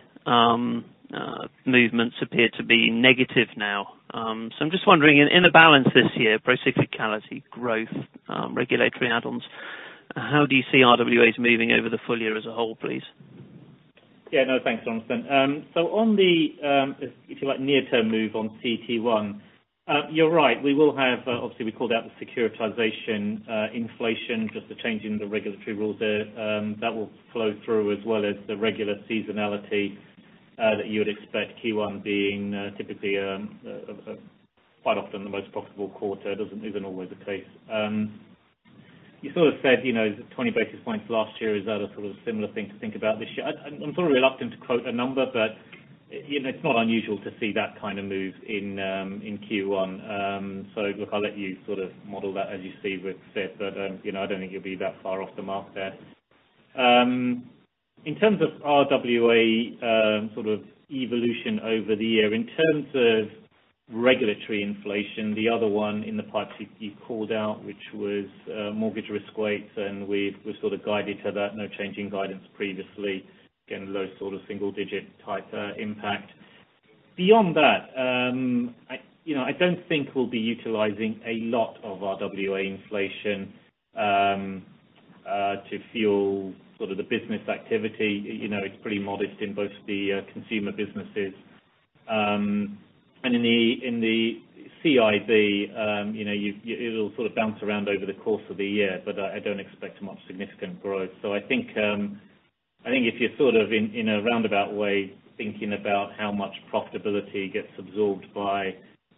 movements appear to be negative now. I'm just wondering, in the balance this year, pro-cyclicality growth, regulatory add-ons, how do you see RWAs moving over the full year as a whole, please? Yeah. No, thanks, Jonathan. On the, if you like, near term move on CET1, you're right. Obviously, we called out the securitization inflation, just the change in the regulatory rules there. That will flow through as well as the regular seasonality that you would expect Q1 being typically quite often the most profitable quarter. Isn't always the case. You sort of said, 20 basis points last year, is that a sort of similar thing to think about this year? I'm sort of reluctant to quote a number, but it's not unusual to see that kind of move in Q1. Look, I'll let you model that as you see with FIT, but I do not think you'll be that far off the mark there. In terms of RWA evolution over the year, in terms of regulatory inflation, the other one in the pipe you called out, which was mortgage risk weights, and we've sort of guided to that. No change in guidance previously. Low sort of single-digit type impact. Beyond that, I don't think we'll be utilizing a lot of our RWA inflation to fuel the business activity. It's pretty modest in both the consumer businesses. In the CIB, it'll sort of bounce around over the course of the year. I don't expect much significant growth. I think if you're in a roundabout way, thinking about how much profitability gets absorbed by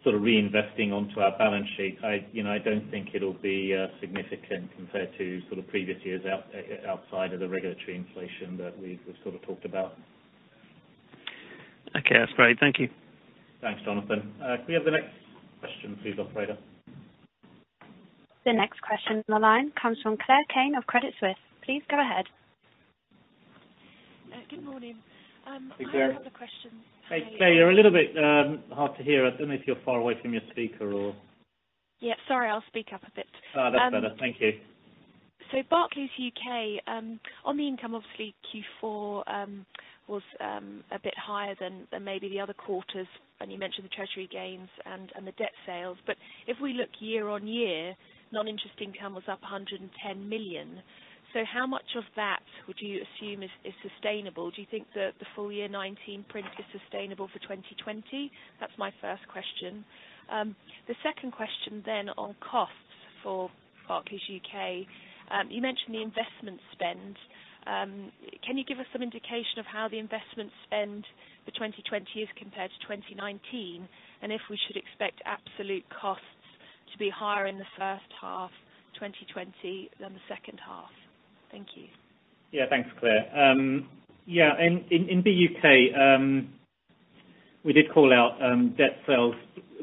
reinvesting onto our balance sheet, I don't think it'll be significant compared to previous years outside of the regulatory inflation that we've sort of talked about. Okay. That's great. Thank you. Thanks, Jonathan. Could we have the next question please, operator? The next question on the line comes from Claire Kane of Credit Suisse. Please go ahead. Good morning. Hey, Claire. I have a question. Hey, Claire, you're a little bit hard to hear. I don't know if you're far away from your speaker or. Yeah. Sorry, I'll speak up a bit. Oh, that's better. Thank you. Barclays U.K., on the income, obviously Q4 was a bit higher than maybe the other quarters, and you mentioned the treasury gains and the debt sales. If we look year-on-year, non-interest income was up 110 million. How much of that would you assume is sustainable? Do you think that the full year 2019 print is sustainable for 2020? That's my first question. The second question on costs for Barclays U.K. You mentioned the investment spend. Can you give us some indication of how the investment spend for 2020 is compared to 2019, and if we should expect absolute costs to be higher in the first half of 2020 than the second half? Thank you. Thanks, Claire. In the U.K., we did call out debt sales.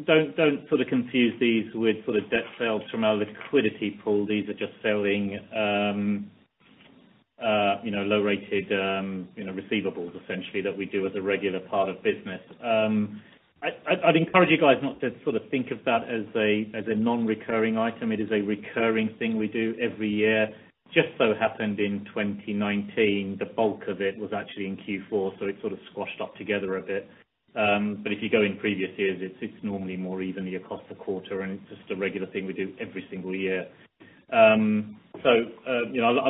Don't sort of confuse these with sort of debt sales from our liquidity pool. These are just selling low rated receivables essentially that we do as a regular part of business. I'd encourage you guys not to think of that as a non-recurring item. It is a recurring thing we do every year. Just so happened in 2019, the bulk of it was actually in Q4, so it sort of squashed up together a bit. If you go in previous years, it's normally more evenly across the quarter, and it's just a regular thing we do every single year. I'll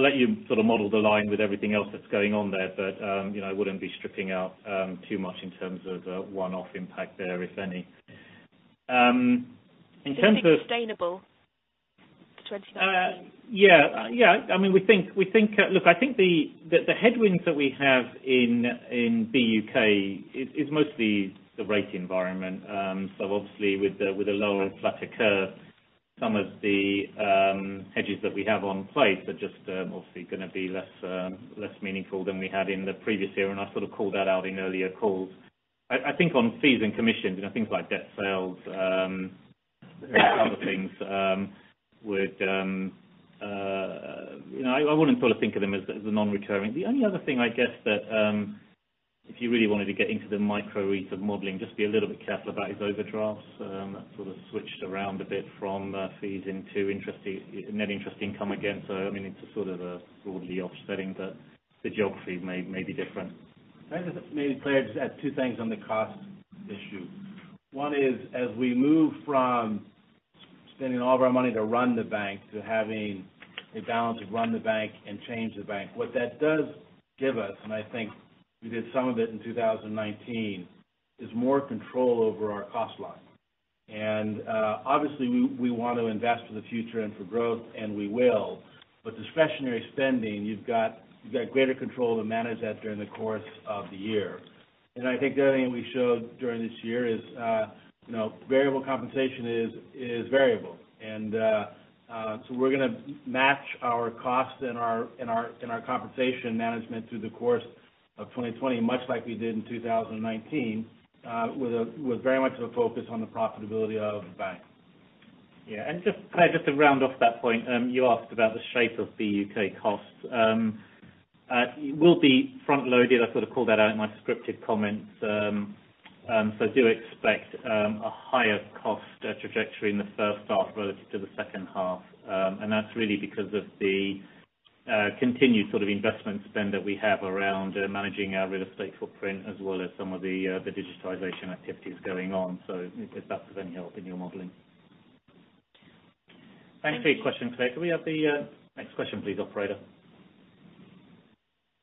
let you model the line with everything else that's going on there. I wouldn't be stripping out too much in terms of one-off impact there, if any. In terms of. Is it sustainable for 2019? Yeah. Look, I think the headwinds that we have in the U.K. is mostly the rate environment. Obviously with a lower and flatter curve, some of the hedges that we have on site are just obviously going to be less meaningful than we had in the previous year, and I sort of called that out in earlier calls. I think on fees and commissions and things like debt sales, there's a couple things I wouldn't think of them as non-recurring. The only other thing, I guess that if you really wanted to get into the micro reads of modeling, just be a little bit careful about is overdrafts. That sort of switched around a bit from fees into net interest income again. It's a broadly offsetting, but the geography may be different. Can I just maybe, Claire, just add two things on the cost issue. One is, as we move from spending all of our money to run the bank, to having a balance of run the bank and change the bank. What that does give us, I think we did some of it in 2019, is more control over our cost line. Obviously we want to invest for the future and for growth, and we will. Discretionary spending, you've got greater control to manage that during the course of the year. I think the other thing we showed during this year is variable compensation is variable. We're going to match our cost and our compensation management through the course of 2020, much like we did in 2019, with very much a focus on the profitability of the bank. Yeah. Just to round off that point, you asked about the shape of the U.K. costs. It will be front-loaded. I sort of called that out in my scripted comments. Do expect a higher cost trajectory in the first half relative to the second half. That's really because of the continued sort of investment spend that we have around managing our real estate footprint as well as some of the digitization activities going on. If that's of any help in your modeling. Thanks for your question, Claire. Can we have the next question please, operator?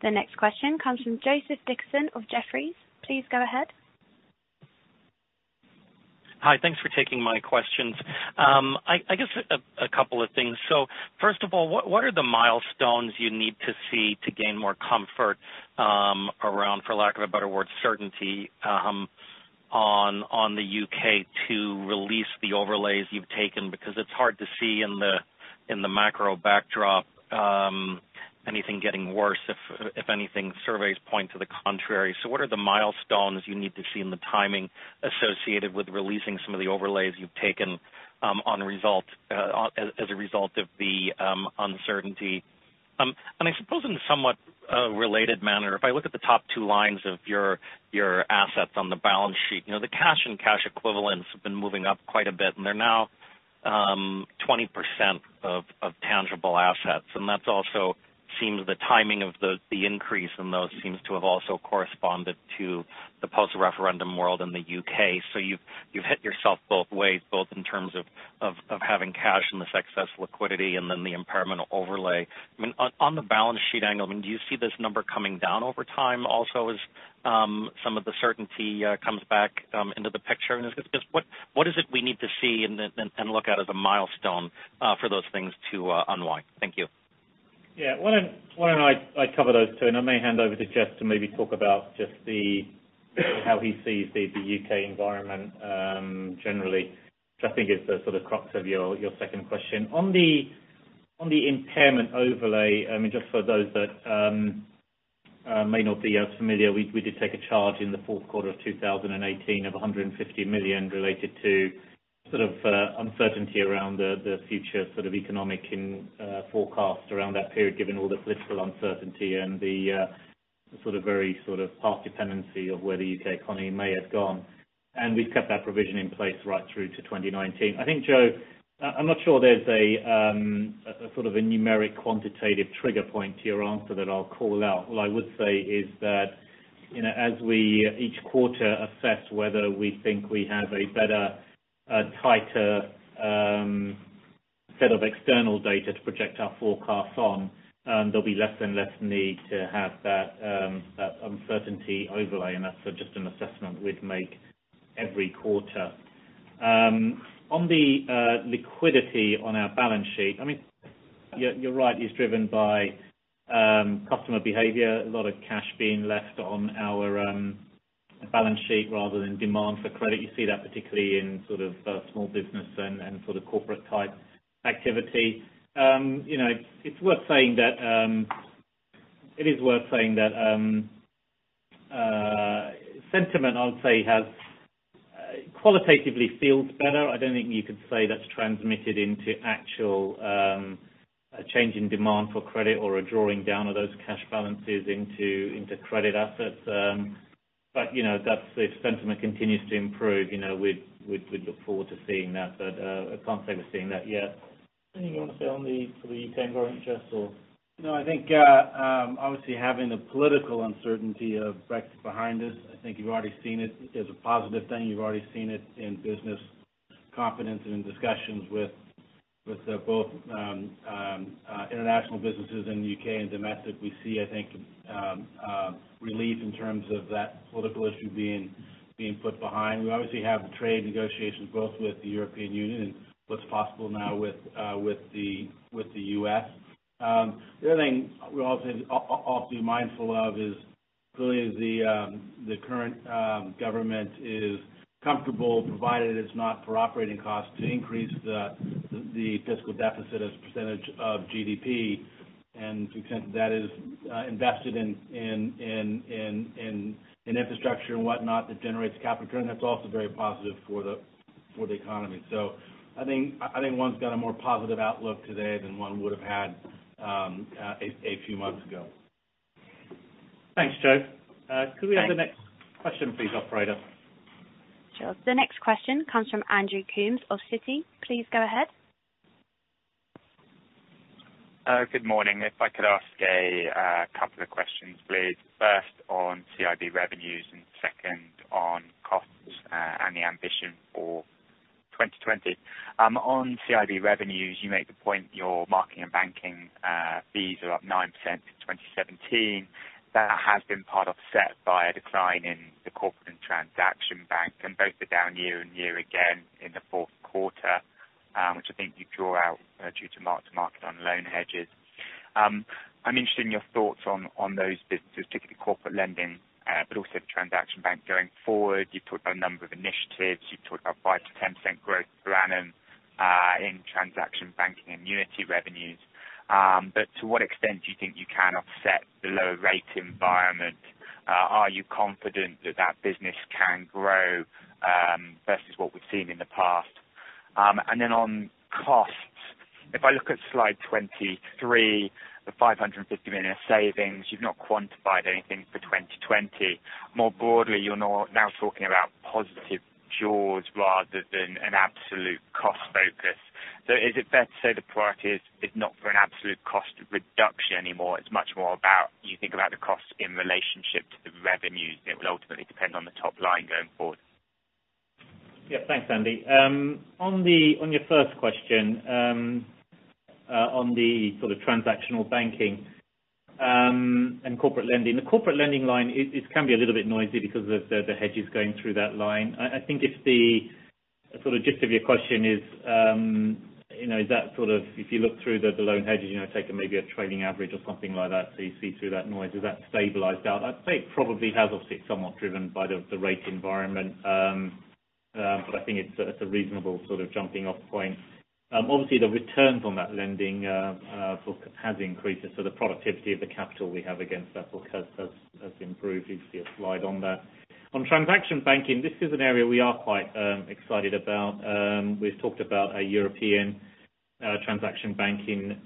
The next question comes from Joseph Dickerson of Jefferies. Please go ahead. Hi. Thanks for taking my questions. I guess a couple of things. First of all, what are the milestones you need to see to gain more comfort around, for lack of a better word, certainty on the U.K. to release the overlays you've taken? It's hard to see in the macro backdrop anything getting worse. If anything, surveys point to the contrary. What are the milestones you need to see and the timing associated with releasing some of the overlays you've taken as a result of the uncertainty? I suppose in a somewhat related manner, if I look at the top two lines of your assets on the balance sheet, the cash and cash equivalents have been moving up quite a bit, and they're now 20% of tangible assets. That also seems the timing of the increase in those seems to have also corresponded to the post-referendum world in the U.K. You've hit yourself both ways, both in terms of having cash and this excess liquidity and then the impairment overlay. On the balance sheet angle, do you see this number coming down over time also as some of the certainty comes back into the picture? I guess, what is it we need to see and look at as a milestone for those things to unwind? Thank you. Yeah. Why don't I cover those two, I may hand over to Jes to maybe talk about just how he sees the U.K. environment generally, which I think is the sort of crux of your second question. On the impairment overlay, just for those that may not be as familiar, we did take a charge in the fourth quarter of 2018 of 150 million related to sort of uncertainty around the future sort of economic forecast around that period, given all the political uncertainty and the sort of very sort of path dependency of where the U.K. economy may have gone. We've kept that provision in place right through to 2019. I think, Joseph, I'm not sure there's a sort of numeric quantitative trigger point to your answer that I'll call out. What I would say is that, as we each quarter assess whether we think we have a better, tighter set of external data to project our forecasts on, there'll be less and less need to have that uncertainty overlay. That's just an assessment we'd make every quarter. On the liquidity on our balance sheet. You're right. It's driven by customer behavior, a lot of cash being left on our balance sheet rather than demand for credit. You see that particularly in small business and sort of corporate type activity. It is worth saying that sentiment, I would say, qualitatively feels better. I don't think you could say that's transmitted into actual change in demand for credit or a drawing down of those cash balances into credit assets. If sentiment continues to improve, we'd look forward to seeing that. I can't say we're seeing that yet. Anything you want to say on the U.K. environment, Jes, or? No, I think obviously having the political uncertainty of Brexit behind us, I think you've already seen it as a positive thing. You've already seen it in business confidence and in discussions with both international businesses in the U.K. and domestic. We see, I think, relief in terms of that political issue being put behind. We obviously have the trade negotiations both with the European Union and what's possible now with the U.S. The other thing we're also mindful of is clearly the current government is comfortable, provided it's not for operating costs, to increase the fiscal deficit as a % of GDP. To the extent that is invested in infrastructure and whatnot, that generates capital return, that's also very positive for the economy. I think one's got a more positive outlook today than one would have had a few months ago. Thanks, Joseph. Could we have the next question please, operator? Sure. The next question comes from Andrew Coombs of Citi. Please go ahead. Good morning. If I could ask a couple of questions, please. First on CIB revenues and second on costs and the ambition for 2020. On CIB revenues, you make the point your markets and banking fees are up 9% in 2017. That has been part offset by a decline in the corporate and transaction bank, and both are down year-on-year again in the fourth quarter, which I think you draw out due to mark to market on loan hedges. I'm interested in your thoughts on those businesses, particularly corporate lending, but also transaction bank going forward. You've talked about a number of initiatives. You've talked about 5%-10% growth per annum in annuity revenues. To what extent do you think you can offset the lower rate environment? Are you confident that that business can grow versus what we've seen in the past? On costs, if I look at slide 23, the 550 million savings, you've not quantified anything for 2020. More broadly, you're now talking about positive jaws rather than an absolute cost focus. Is it fair to say the priority is not for an absolute cost reduction anymore? It's much more about, you think about the cost in relationship to the revenues, and it will ultimately depend on the top line going forward. Thanks, Andrew. On your first question, on the sort of transactional banking and corporate lending. The corporate lending line, it can be a little bit noisy because of the hedges going through that line. I think if the sort of gist of your question is if you look through the loan hedges, take maybe a trading average or something like that, so you see through that noise, is that stabilized out? I'd say it probably has. Obviously, it's somewhat driven by the rate environment. I think it's a reasonable sort of jumping off point. Obviously, the returns on that lending sort of has increased. The productivity of the capital we have against that sort of has improved. You see a slide on that. On transaction banking, this is an area we are quite excited about. We've talked about our European transaction banking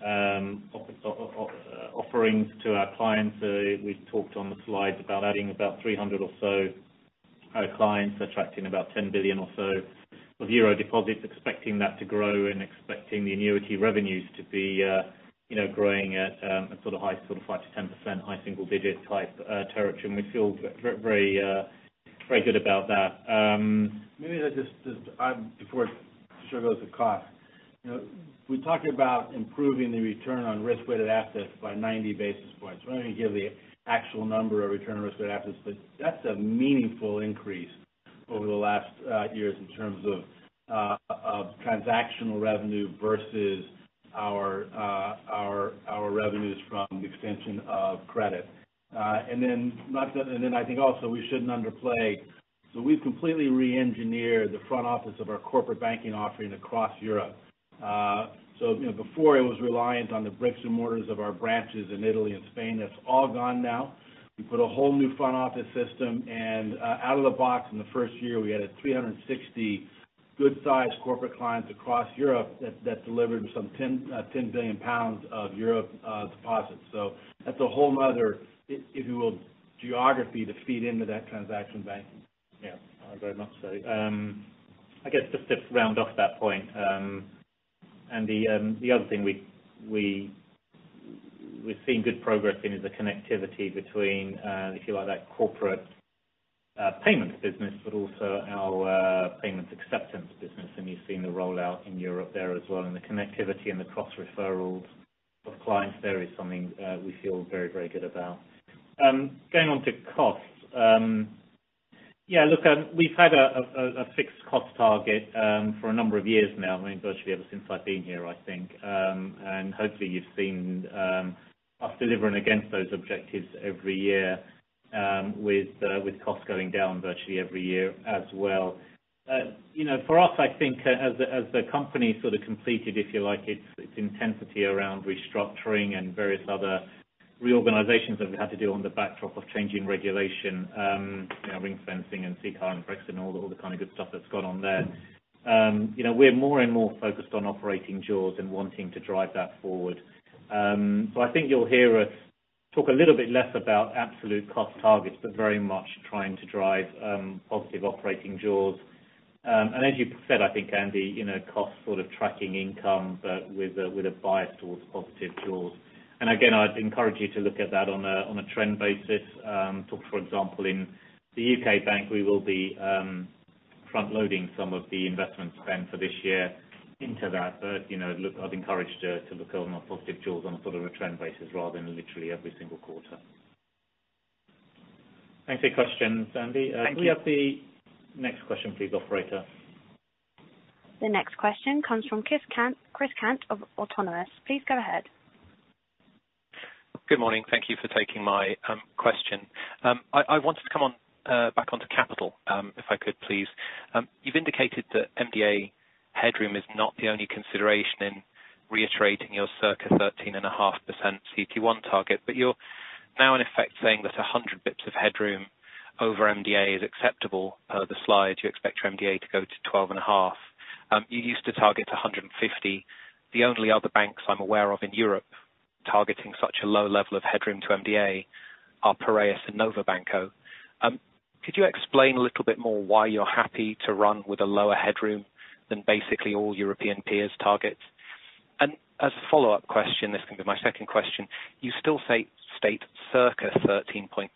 offerings to our clients. We've talked on the slides about adding about 300 or so clients, attracting about 10 billion or so of euro deposits, expecting that to grow and expecting the annuity revenues to be growing at a sort of high, sort of 5%-10%, high single digit type territory. We feel very good about that. Maybe I'll just before Tushar goes to cost. We talked about improving the return on risk-weighted assets by 90 basis points. We're not going to give the actual number of return on risk-weighted assets, but that's a meaningful increase over the last years in terms of transactional revenue versus our revenues from the extension of credit. Then I think also we shouldn't underplay. We've completely reengineered the front office of our corporate banking offering across Europe. Before it was reliant on the bricks and mortars of our branches in Italy and Spain. That's all gone now. We put a whole new front office system and out of the box in the first year, we added 360 good sized corporate clients across Europe that delivered some 10 billion pounds of Europe deposits. That's a whole other, if you will, geography to feed into that transaction banking. Yeah. I very much so. I guess just to round off that point, and the other thing we're seeing good progress in is the connectivity between, if you like, that corporate payments business, but also our payments acceptance business. You've seen the rollout in Europe there as well, and the connectivity and the cross referrals of clients there is something we feel very, very good about. Going on to costs. Yeah, look we've had a fixed cost target for a number of years now. I mean, virtually ever since I've been here, I think. Hopefully you've seen us delivering against those objectives every year, with costs going down virtually every year as well. For us, I think as the company sort of completed, if you like, its intensity around restructuring and various other reorganizations that we've had to do on the backdrop of changing regulation, ring fencing and CCAR and Brexit and all the kind of good stuff that's gone on there. We're more and more focused on operating jaws and wanting to drive that forward. I think you'll hear us talk a little bit less about absolute cost targets, but very much trying to drive positive operating jaws. As you said, I think Andrew Coombs sort of tracking income but with a bias towards positive jaws. Again, I'd encourage you to look at that on a trend basis. Talk, for example, in the U.K. Bank, we will be front-loading some of the investment spend for this year into that. Look, I'd encourage to look over more positive jaws on a sort of a trend basis rather than literally every single quarter. Thanks for your questions, Andrew. Thank you. Can we have the next question please, operator? The next question comes from Chris Cant of Autonomous. Please go ahead. Good morning. Thank you for taking my question. I wanted to come back onto capital if I could, please. You've indicated that MDA headroom is not the only consideration in reiterating your circa 13.5% CET1 target, but you're now in effect saying that 100 basis points of headroom over MDA is acceptable. Per the slide, you expect your MDA to go to 12.5%. You used to target to 150 basis points. The only other banks I'm aware of in Europe targeting such a low level of headroom to MDA are Piraeus and Novo Banco. Could you explain a little bit more why you're happy to run with a lower headroom than basically all European peers targets? As a follow-up question, this can be my second question. You still state circa 13.5%,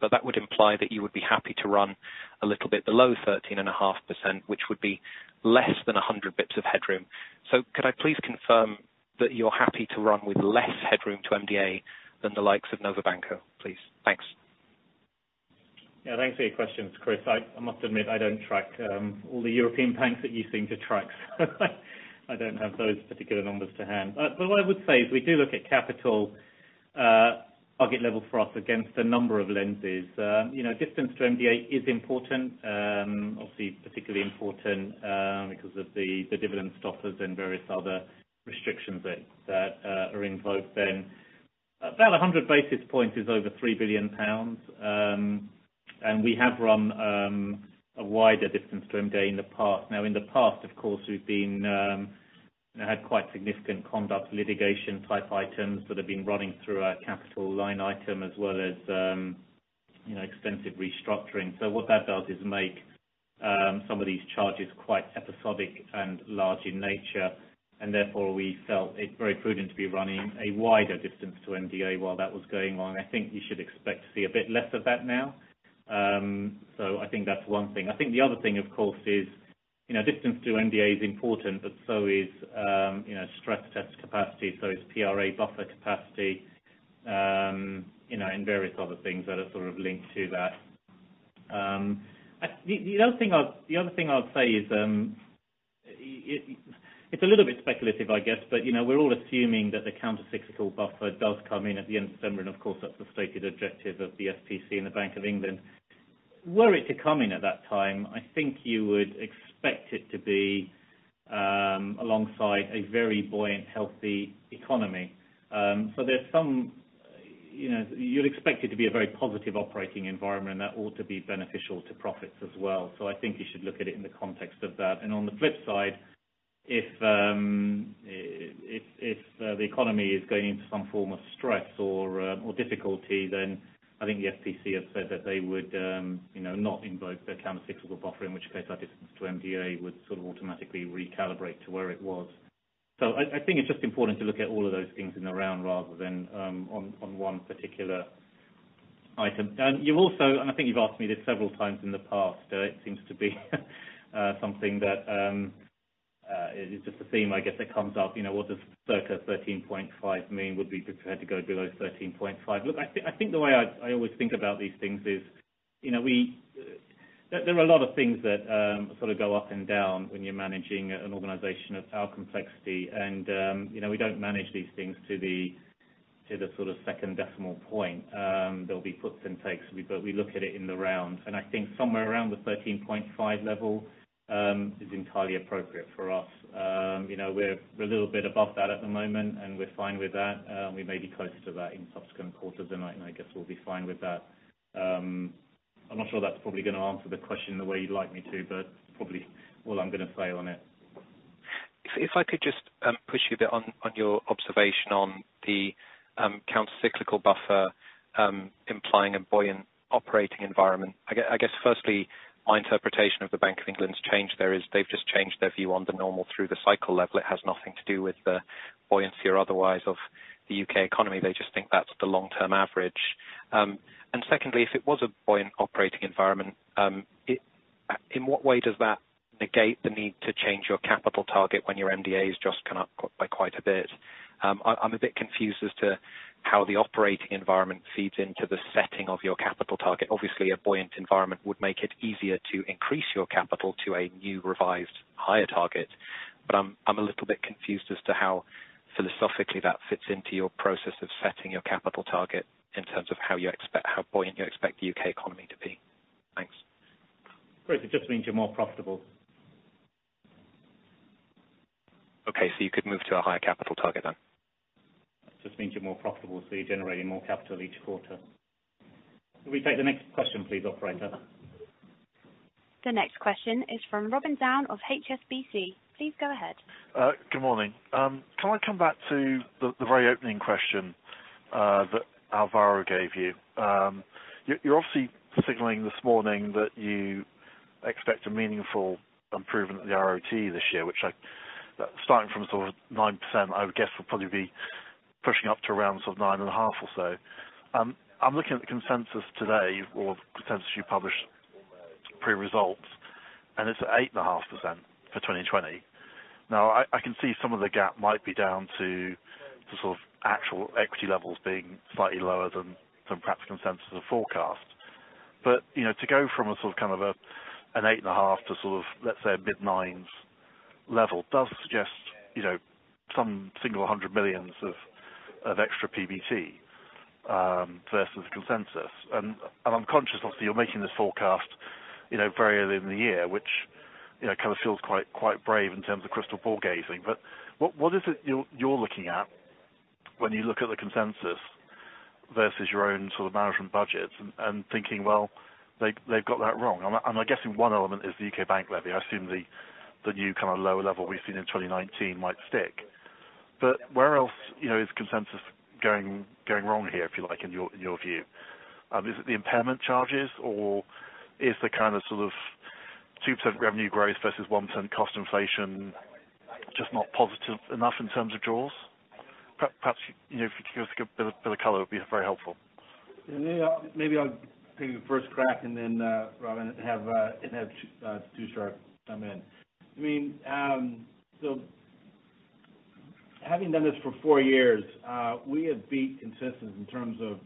but that would imply that you would be happy to run a little bit below 13.5%, which would be less than 100 bps of headroom. Could I please confirm that you're happy to run with less headroom to MDA than the likes of Novo Banco, please? Thanks. Yeah, thanks for your questions, Chris. I must admit, I don't track all the European banks that you seem to track, so I don't have those particular numbers to hand. But what I would say is we do look at capital, target level for us against a number of lenses. Distance to MDA is important. Obviously, particularly important because of the dividend stoppers and various other restrictions that are invoked then. About 100 basis points is over 3 billion pounds. We have run a wider distance to MDA in the past. Now, in the past, of course, we've had quite significant conduct litigation type items that have been running through our capital line item, as well as extensive restructuring. What that does is make some of these charges quite episodic and large in nature, and therefore, we felt it very prudent to be running a wider distance to MDA while that was going on. I think you should expect to see a bit less of that now. I think that's one thing. I think the other thing, of course, is distance to MDA is important, but so is stress test capacity, so is PRA buffer capacity, and various other things that are sort of linked to that. The other thing I would say is, it's a little bit speculative, I guess, but we're all assuming that the countercyclical buffer does come in at the end of December, and of course, that's the stated objective of the FPC and the Bank of England. Were it to come in at that time, I think you would expect it to be alongside a very buoyant, healthy economy. You'd expect it to be a very positive operating environment, That ought to be beneficial to profits as well. I think you should look at it in the context of that. On the flip side, if the economy is going into some form of stress or difficulty, I think the FPC has said that they would not invoke the countercyclical buffer, in which case our distance to MDA would sort of automatically recalibrate to where it was. I think it's just important to look at all of those things in the round rather than on one particular item. I think you've asked me this several times in the past, so it seems to be something that is just a theme, I guess that comes up. What does circa 13.5 mean? Would we prefer to go below 13.5? Look, I think the way I always think about these things is, there are a lot of things that sort of go up and down when you're managing an organization of our complexity. We don't manage these things to the sort of second decimal point. There'll be puts and takes, but we look at it in the round, and I think somewhere around the 13.5 level is entirely appropriate for us. We're a little bit above that at the moment, and we're fine with that. We may be closer to that in subsequent quarters, and I guess we'll be fine with that. I'm not sure that's probably going to answer the question the way you'd like me to, but probably all I'm going to say on it. If I could just push you a bit on your observation on the countercyclical buffer implying a buoyant operating environment. I guess firstly, my interpretation of the Bank of England's change there is they've just changed their view on the normal through the cycle level. It has nothing to do with the buoyancy or otherwise of the U.K. economy. They just think that's the long-term average. Secondly, if it was a buoyant operating environment, in what way does that negate the need to change your capital target when your MDA has just gone up by quite a bit? I'm a bit confused as to how the operating environment feeds into the setting of your capital target. Obviously, a buoyant environment would make it easier to increase your capital to a new revised higher target. I'm a little bit confused as to how philosophically that fits into your process of setting your capital target in terms of how buoyant you expect the U.K. economy to be. Thanks. Great. It just means you're more profitable. Okay. You could move to a higher capital target then? It just means you're more profitable, so you're generating more capital each quarter. Can we take the next question please, operator? The next question is from Robin Down of HSBC. Please go ahead. Good morning. Can I come back to the very opening question that Alvaro gave you? You're obviously signaling this morning that you expect a meaningful improvement at the RoTE this year, which starting from sort of 9%, I would guess will probably be pushing up to around sort of 9.5% or so. I'm looking at the consensus today, or the consensus you published pre-results. It's at 8.5% for 2020. I can see some of the gap might be down to the sort of actual equity levels being slightly lower than perhaps consensus or forecast. To go from a sort of kind of an 8.5 to sort of, let's say, a mid-9 level does suggest some single hundred millions of extra PBT versus consensus. I'm conscious, obviously, you're making this forecast very early in the year, which kind of feels quite brave in terms of crystal ball gazing. What is it you're looking at when you look at the consensus versus your own sort of management budgets and thinking, well, they've got that wrong? I'm guessing one element is the U.K. bank levy. I assume the new kind of lower level we've seen in 2019 might stick. Where else is consensus going wrong here, if you like, in your view? Is it the impairment charges, or is the kind of sort of 2% revenue growth versus 1% cost inflation just not positive enough in terms of jaws? Perhaps if you could give us a bit of color, it would be very helpful. Maybe I'll take the first crack and then, Robin, have Tushar come in. Having done this for four years, we have beat consensus in terms of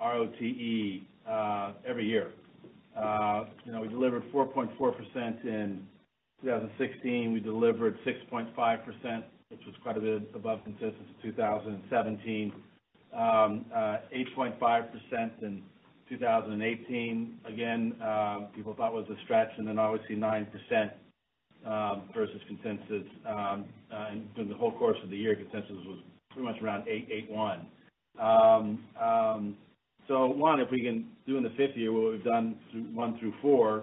RoTE every year. We delivered 4.4% in 2016, we delivered 6.5%, which was quite a bit above consensus. In 2017, 8.5%, and 2018, again people thought it was a stretch. Obviously 9% versus consensus during the whole course of the year. Consensus was pretty much around 8% to 8.1%. One, if we can do in the fifth year what we've done through one through four,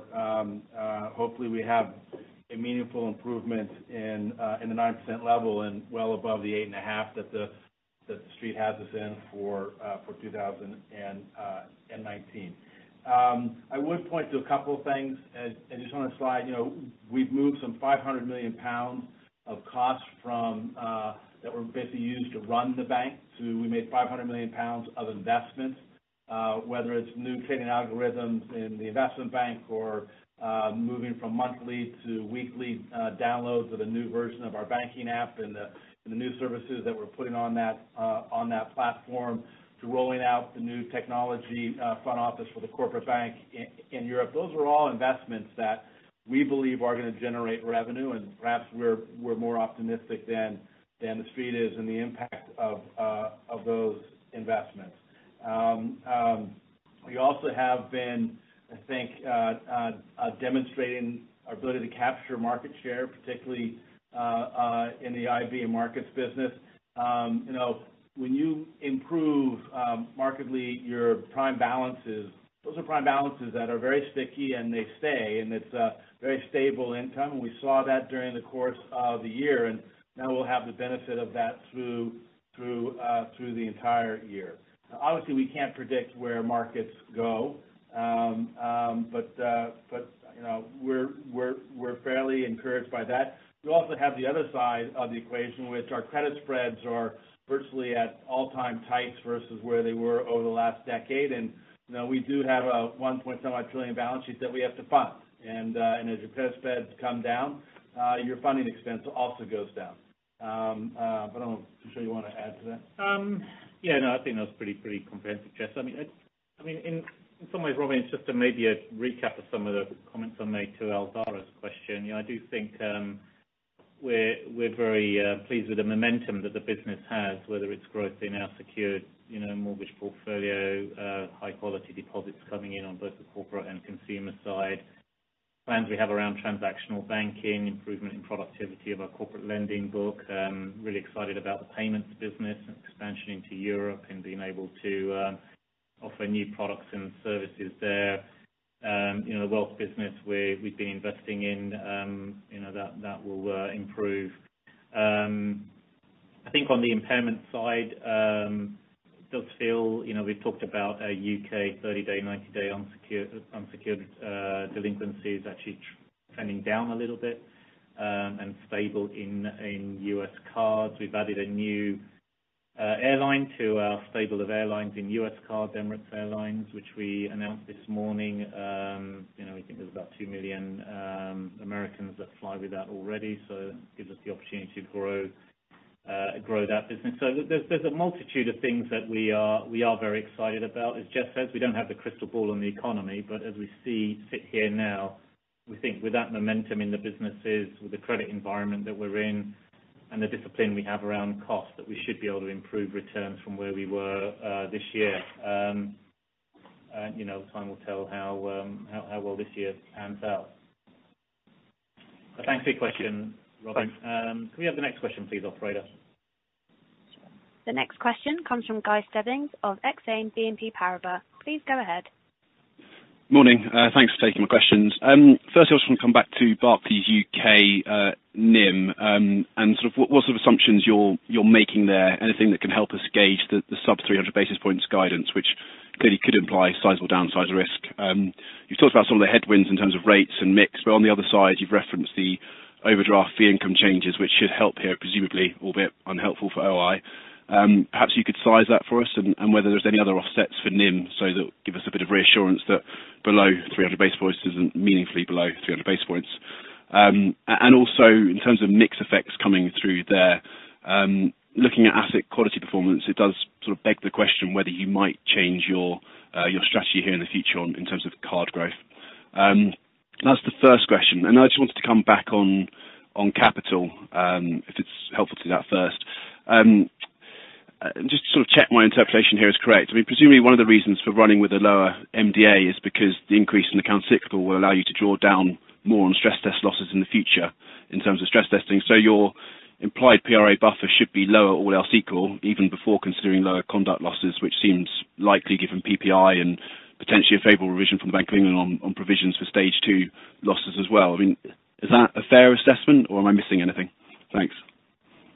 hopefully we have a meaningful improvement in the 9% level and well above the 8.5% that the Street has us in for 2019. I would point to a couple of things, and just on the slide. We've moved some 500 million pounds of cost that were basically used to run the bank. We made 500 million pounds of investments, whether it's new trading algorithms in the Investment Bank or moving from monthly to weekly downloads of the new version of our banking app and the new services that we're putting on that platform to rolling out the new technology front office for the Corporate Bank in Europe. Those are all investments that we believe are going to generate revenue, and perhaps we're more optimistic than the Street is in the impact of those investments. We also have been, I think, demonstrating our ability to capture market share, particularly in the IB and markets business. When you improve markedly your prime balances, those are prime balances that are very sticky, and they stay, and it's a very stable income. We saw that during the course of the year, and now we'll have the benefit of that through the entire year. Obviously, we can't predict where markets go. We're fairly encouraged by that. We also have the other side of the equation, which our credit spreads are virtually at all-time tights versus where they were over the last decade. We do have a 1.75 trillion balance sheet that we have to fund. As your credit spreads come down, your funding expense also goes down. I'm not sure you want to add to that. Yeah, no, I think that was pretty comprehensive, Jes. In some ways, Robin, it's just maybe a recap of some of the comments I made to Alvaro's question. I do think we're very pleased with the momentum that the business has, whether it's growth in our secured mortgage portfolio, high quality deposits coming in on both the corporate and consumer side. Plans we have around transactional banking, improvement in productivity of our corporate lending book. Really excited about the payments business and expansion into Europe and being able to offer new products and services there. In the wealth business, we've been investing in, that will improve. I think on the impairment side, it does feel we've talked about U.K. 30-day, 90-day unsecured delinquencies actually trending down a little bit, and stable in U.S. cards. We've added a new airline to our stable of airlines in U.S. card, Emirates, which we announced this morning. We think there's about 2 million Americans that fly with that already, so that gives us the opportunity to grow that business. There's a multitude of things that we are very excited about. As Jes says, we don't have the crystal ball on the economy, but as we sit here now, we think with that momentum in the businesses, with the credit environment that we're in, and the discipline we have around cost, that we should be able to improve returns from where we were this year. Time will tell how well this year pans out. Thanks for your question, Robin. Thanks. Can we have the next question please, operator? Sure. The next question comes from Guy Stebbings of Exane BNP Paribas. Please go ahead. Morning. Thanks for taking my questions. First, I just want to come back to Barclays U.K. NIM, and what sort of assumptions you're making there. Anything that can help us gauge the sub 300 basis points guidance, which clearly could imply sizable downside risk. You've talked about some of the headwinds in terms of rates and mix, but on the other side, you've referenced the overdraft fee income changes, which should help here, presumably, albeit unhelpful for OI. Perhaps you could size that for us, and whether there's any other offsets for NIM, so that give us a bit of reassurance that below 300 basis points isn't meaningfully below 300 basis points. Also in terms of mix effects coming through there, looking at asset quality performance, it does beg the question whether you might change your strategy here in the future in terms of card growth. That's the first question. I just wanted to come back on capital, if it's helpful to do that first. Just to check my interpretation here is correct. Presumably one of the reasons for running with a lower MDA is because the increase in the countercyclical buffer score will allow you to draw down more on stress test losses in the future in terms of stress testing. Your implied PRA buffer should be lower or else equal, even before considering lower conduct losses, which seems likely given PPI and potentially a favorable revision from the Bank of England on provisions for stage 2 losses as well. Is that a fair assessment, or am I missing anything? Thanks.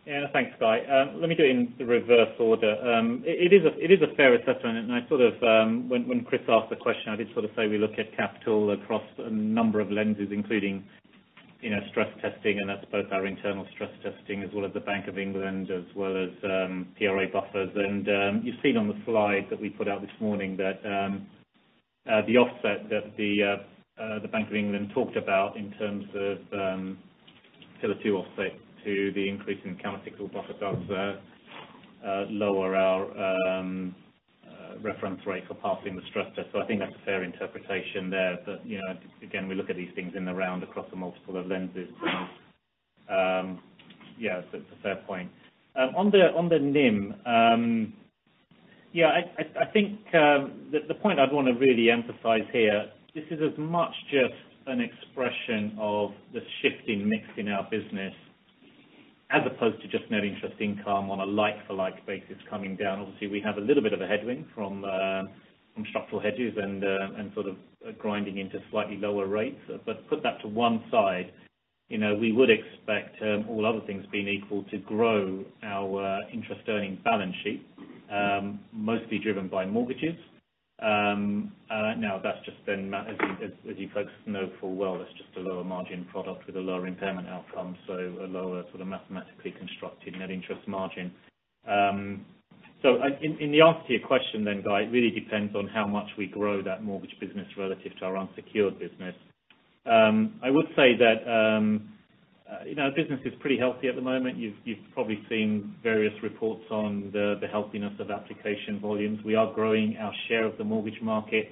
Yeah. Thanks, Guy. Let me do it in reverse order. It is a fair assessment. When Chris asked the question, I did say we look at capital across a number of lenses, including stress testing, and that's both our internal stress testing as well as the Bank of England, as well as PRA buffers. You've seen on the slide that we put out this morning that the offset that the Bank of England talked about in terms of Pillar 2 offset to the increase in countercyclical buffer does lower our reference rate for passing the stress test. I think that's a fair interpretation there. Again, we look at these things in the round across a multiple of lenses. Yeah, it's a fair point. On the NIM, I think the point I'd want to really emphasize here, this is as much just an expression of the shift in mix in our business as opposed to just net interest income on a like for like basis coming down. Obviously, we have a little bit of a headwind from structural hedges and grinding into slightly lower rates. Put that to one side, we would expect all other things being equal to grow our interest earning balance sheet, mostly driven by mortgages. Now that's just been met, as you folks know full well, it's just a lower margin product with a lower impairment outcome, so a lower mathematically constructed net interest margin. In the answer to your question then, Guy, it really depends on how much we grow that mortgage business relative to our unsecured business. I would say that our business is pretty healthy at the moment. You've probably seen various reports on the healthiness of application volumes. We are growing our share of the mortgage market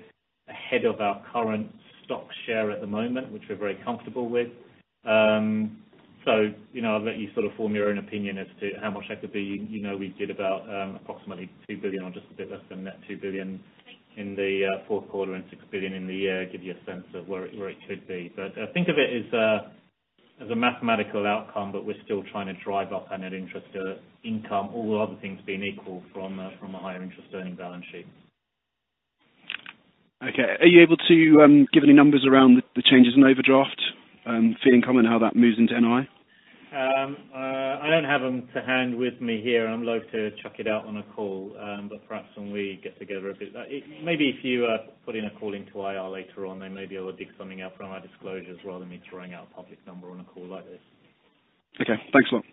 ahead of our current stock share at the moment, which we're very comfortable with. I'll let you form your own opinion as to how much that could be. We did about approximately 2 billion or just a bit less than that, 2 billion in the fourth quarter and 6 billion in the year, give you a sense of where it should be. Think of it as a mathematical outcome, but we're still trying to drive up our net interest income, all other things being equal from a higher interest earning balance sheet. Okay. Are you able to give any numbers around the changes in overdraft fee income and how that moves into NI? I don't have them to hand with me here. I'm loathe to chuck it out on a call. Perhaps when we get together a bit. Maybe if you put in a call into IR later on, they may be able to dig something out from our disclosures rather than me throwing out a public number on a call like this. Okay. Thanks a lot.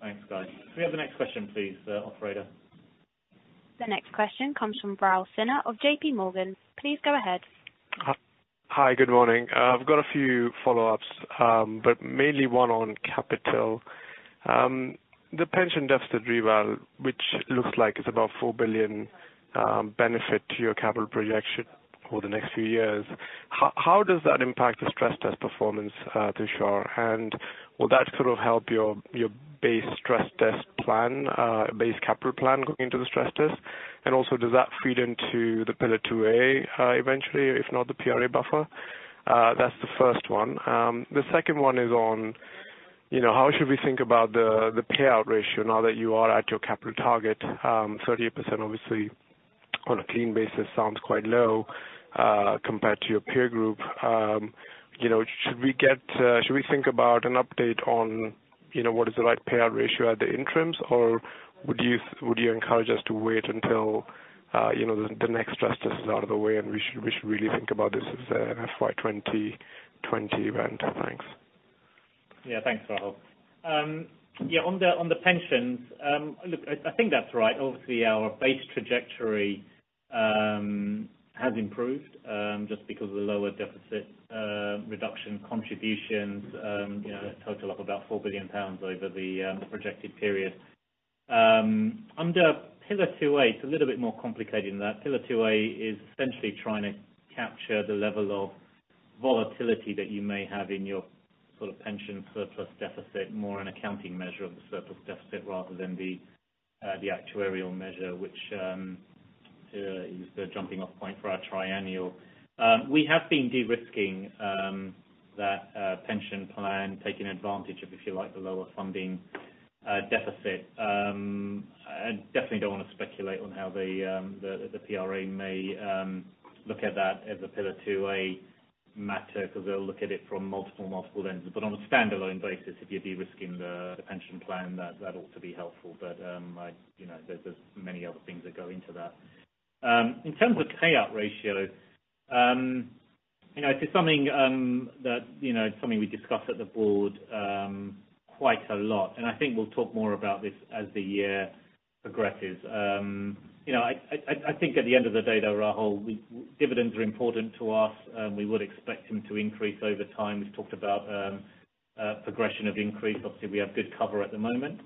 Thanks, Guy. Can we have the next question please, Operator? The next question comes from Raul Sinha of J.P. Morgan. Please go ahead. Hi. Good morning. I've got a few follow-ups, but mainly one on capital. The pension deficit reval, which looks like it's about 4 billion benefit to your capital projection for the next few years. How does that impact the stress test performance, Tushar? Will that help your base capital plan going into the stress test? Does that feed into the Pillar 2A eventually, if not the PRA buffer? That's the first one. The second one is on, how should we think about the payout ratio now that you are at your capital target? 38% obviously on a clean basis sounds quite low compared to your peer group. Should we think about an update on what is the right payout ratio at the interims, or would you encourage us to wait until the next stress test is out of the way and we should really think about this as a FY 2020 event? Thanks. Thanks, Raul. On the pensions, look, I think that's right. Obviously our base trajectory has improved, just because of the lower deficit reduction contributions total of about 4 billion pounds over the projected period. Under Pillar 2A, it's a little bit more complicated than that. Pillar 2A is essentially trying to capture the level of volatility that you may have in your pension surplus deficit, more an accounting measure of the surplus deficit rather than the actuarial measure, which is the jumping off point for our triennial. We have been de-risking that pension plan, taking advantage of, if you like, the lower funding deficit. I definitely don't want to speculate on how the PRA may look at that as a Pillar 2A matter, because they'll look at it from multiple lenses. On a standalone basis, if you're de-risking the pension plan, that ought to be helpful. There's many other things that go into that. In terms of payout ratio, it's something we discuss at the board quite a lot, and I think we'll talk more about this as the year progresses. I think at the end of the day though, Raul, dividends are important to us. We would expect them to increase over time. We've talked about progression of increase. Obviously, we have good cover at the moment.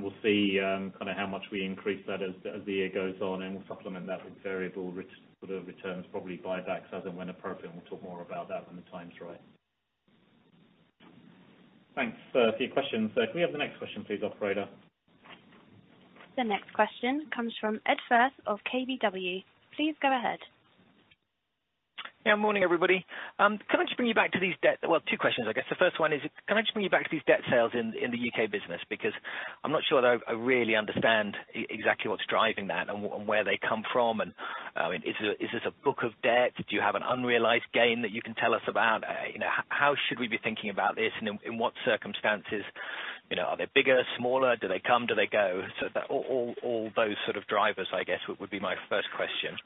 We'll see how much we increase that as the year goes on, and we'll supplement that with variable returns, probably buybacks as and when appropriate. We'll talk more about that when the time's right. Thanks for your questions. Can we have the next question please, operator? The next question comes from Edward Firth of KBW. Please go ahead. Yeah. Morning, everybody. Well, two questions, I guess. The first one is, can I just bring you back to these debt sales in the U.K. business? Because I'm not sure that I really understand exactly what's driving that and where they come from. Is this a book of debt? Do you have an unrealized gain that you can tell us about? How should we be thinking about this? In what circumstances? Are they bigger, smaller? Do they come? Do they go? All those sort of drivers, I guess, would be my first question.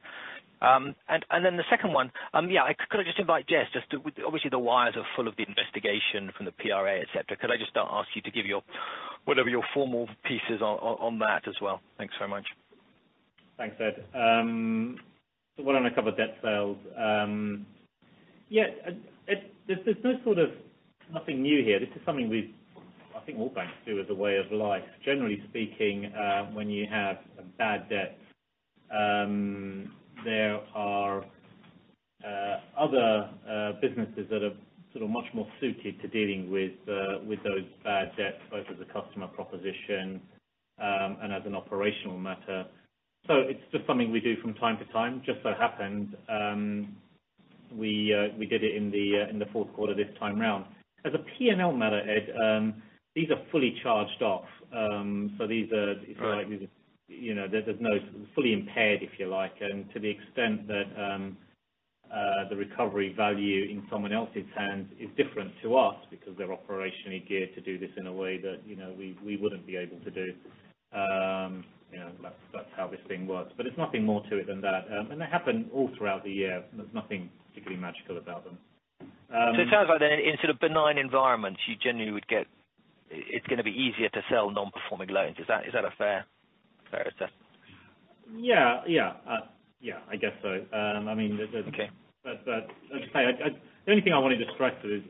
Then the second one, yeah, could I just invite Jes, just obviously the wires are full of the investigation from the PRA, et cetera. Could I just ask you to give your, whatever your formal piece is on that as well? Thanks very much. Thanks, Edward. We want to cover debt sales. Yeah, there's nothing new here. This is something I think all banks do as a way of life. Generally speaking, when you have bad debt, there are other businesses that are much more suited to dealing with those bad debts, both as a customer proposition and as an operational matter. It's just something we do from time to time. Just so happened, we did it in the fourth quarter this time around. As a P&L matter, Ed, these are fully charged off. These are Right There's no fully impaired, if you like. To the extent that the recovery value in someone else's hands is different to us because they're operationally geared to do this in a way that we wouldn't be able to do. That's how this thing works. There's nothing more to it than that. They happen all throughout the year. There's nothing particularly magical about them. It sounds like then in sort of benign environments, you generally would get it's going to be easier to sell non-performing loans. Is that a fair assessment? Yeah. I guess so. Okay. As I say, the only thing I want to just stress is,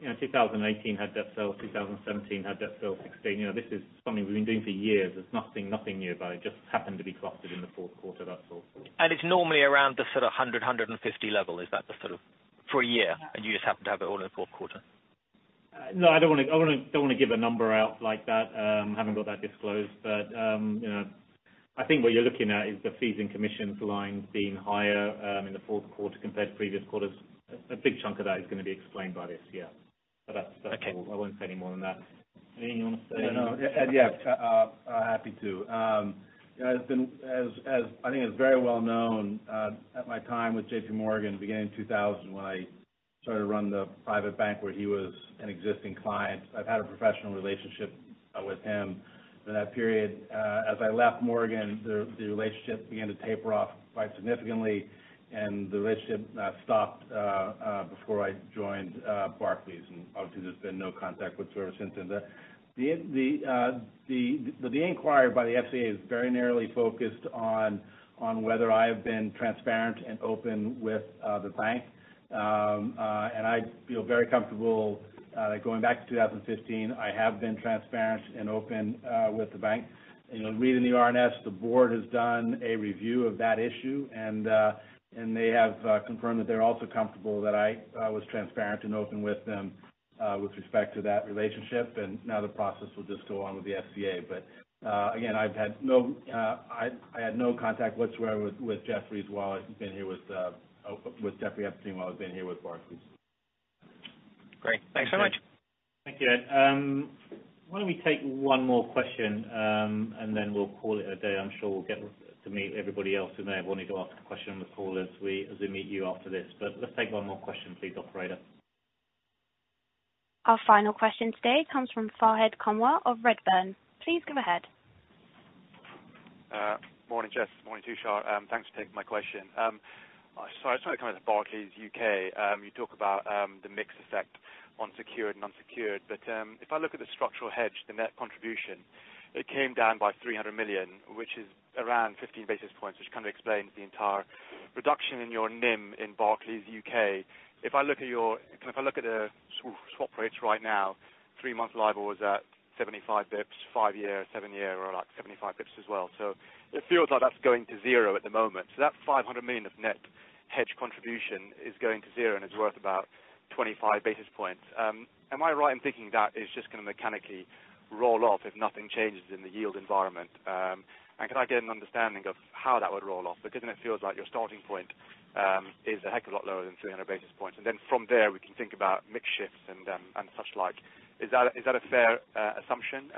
2018 had debt sales, 2017 had debt sales, 2016. This is something we've been doing for years. There's nothing new about it. Just happened to be clustered in the fourth quarter, that's all. It's normally around the sort of 100, 150 level, is that the sort of for a year, and you just happen to have it all in the fourth quarter? No, I don't want to give a number out like that. Haven't got that disclosed, but I think what you're looking at is the fees and commissions line being higher in the fourth quarter compared to previous quarters. A big chunk of that is going to be explained by this. Yeah. That's all. Okay. I won't say any more than that. Anything you want to say, Ed? No. Ed, yeah. Happy to. I think it's very well known, at my time with JP Morgan, beginning of 2000, when I started to run the private bank where he was an existing client, I've had a professional relationship with him for that period. As I left Morgan, the relationship began to taper off quite significantly, and the relationship stopped before I joined Barclays. Obviously, there's been no contact whatsoever since. The inquiry by the FCA is very narrowly focused on whether I have been transparent and open with the bank. I feel very comfortable going back to 2015. I have been transparent and open with the bank. Reading the RNS, the board has done a review of that issue, and they have confirmed that they're also comfortable that I was transparent and open with them with respect to that relationship. Now the process will just go on with the FCA. Again, I had no contact whatsoever with Jefferies while I've been here with Barclays. Great. Thanks so much. Thank you, Ed. Why don't we take one more question, and then we'll call it a day. I'm sure we'll get to meet everybody else who may have wanted to ask a question on the call as we meet you after this. Let's take one more question, please, operator. Our final question today comes from Fahed Kunwar of Redburn. Please go ahead. Morning, Jes. Morning Tushar. Thanks for taking my question. I just want to come into Barclays U.K. You talk about the mix effect on secured and unsecured. If I look at the structural hedge, the net contribution, it came down by 300 million, which is around 15 basis points, which kind of explains the entire reduction in your NIM in Barclays U.K. If I look at the swap rates right now, 3-month LIBOR was at 75 basis points, 5 year, 7 year are like 75 basis points as well. It feels like that's going to zero at the moment. That 500 million of net hedge contribution is going to zero and is worth about 25 basis points. Am I right in thinking that is just going to mechanically roll off if nothing changes in the yield environment? Can I get an understanding of how that would roll off? It feels like your starting point is a heck of a lot lower than 300 basis points. From there, we can think about mix shifts and such like. Is that a fair assumption?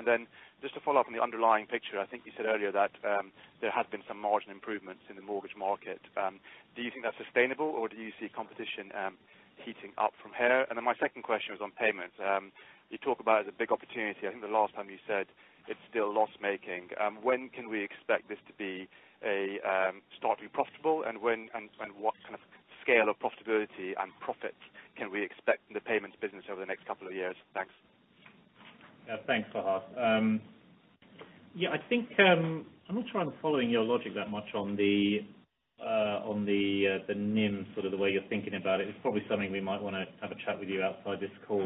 Just to follow up on the underlying picture, I think you said earlier that there have been some margin improvements in the mortgage market. Do you think that's sustainable, or do you see competition heating up from here? My second question was on payments. You talk about it as a big opportunity. I think the last time you said it's still loss-making. When can we expect this to be startingly profitable, and what kind of scale of profitability and profit can we expect in the payments business over the next couple of years? Thanks. Thanks, Fahed. I think I'm not sure I'm following your logic that much on the NIM sort of the way you're thinking about it. It's probably something we might want to have a chat with you outside this call.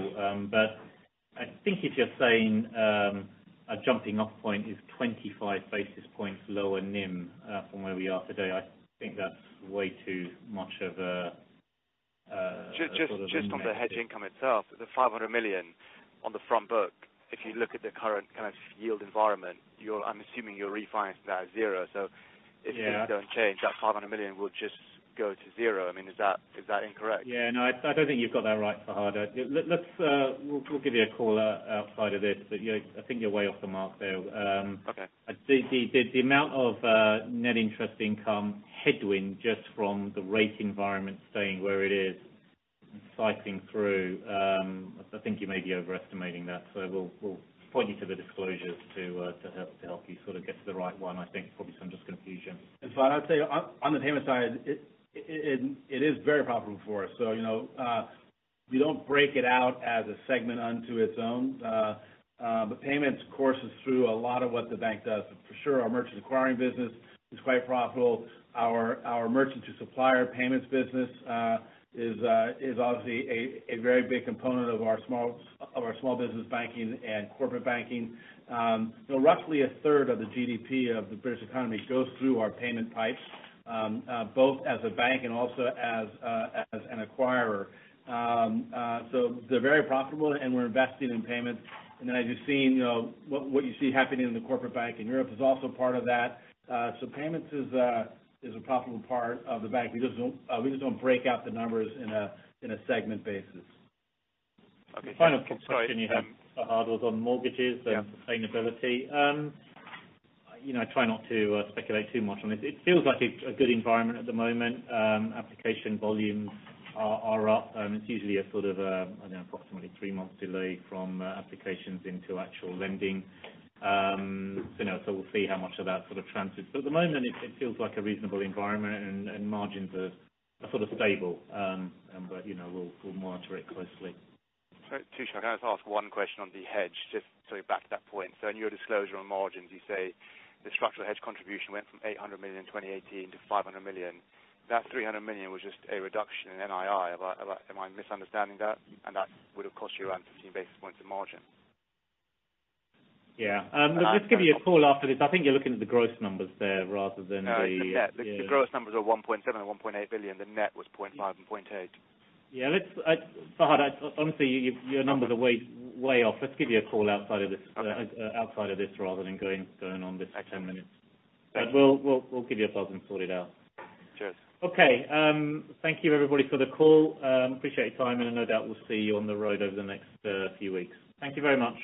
I think if you're saying our jumping off point is 25 basis points lower NIM from where we are today, I think that's way too much. Just on the hedge income itself, the 500 million on the front book. If you look at the current kind of yield environment, I'm assuming you're refinancing that at zero. If things don't change, that 500 million will just go to zero. Is that incorrect? Yeah. No, I don't think you've got that right, Fahed. We'll give you a call outside of this, but I think you're way off the mark there. Okay. The amount of net interest income headwind just from the rate environment staying where it is and cycling through, I think you may be overestimating that. We'll point you to the disclosures to help you sort of get to the right one. I think probably some just confusion. Fahed, I'd say on the payment side, it is very profitable for us. We don't break it out as a segment unto its own. Payments courses through a lot of what the bank does. For sure, our merchant acquiring business is quite profitable. Our merchant to supplier payments business is obviously a very big component of our small business banking and corporate banking. Roughly a third of the GDP of the British economy goes through our payment pipes, both as a bank and also as an acquirer. They're very profitable and we're investing in payments. As you've seen, what you see happening in the corporate bank in Europe is also part of that. Payments is a profitable part of the bank. We just don't break out the numbers in a segment basis. Okay. Final question you have, Fahed, was on mortgages and sustainability. I try not to speculate too much on it. It feels like a good environment at the moment. Application volumes are up. It's usually approximately three months delay from applications into actual lending. We'll see how much of that sort of transfers. At the moment, it feels like a reasonable environment and margins are sort of stable. We'll monitor it closely. Sorry, Tushar, can I just ask one question on the hedge, just so we're back to that point. In your disclosure on margins, you say the structural hedge contribution went from 800 million in 2018 to 500 million. That 300 million was just a reduction in NII. Am I misunderstanding that? That would have cost you around 15 basis points of margin. Yeah. Let's give you a call after this. I think you're looking at the gross numbers there rather than the. No, it's the net. The gross numbers are 1.7 billion and 1.8 billion. The net was 0.5 billion and 0.8 billion. Yeah. Fahed, honestly, your numbers are way off. Let's give you a call outside of this rather than going on this for 10 minutes. Okay. We'll give you a call and sort it out. Cheers. Okay. Thank you everybody for the call. Appreciate your time, no doubt we'll see you on the road over the next few weeks. Thank you very much.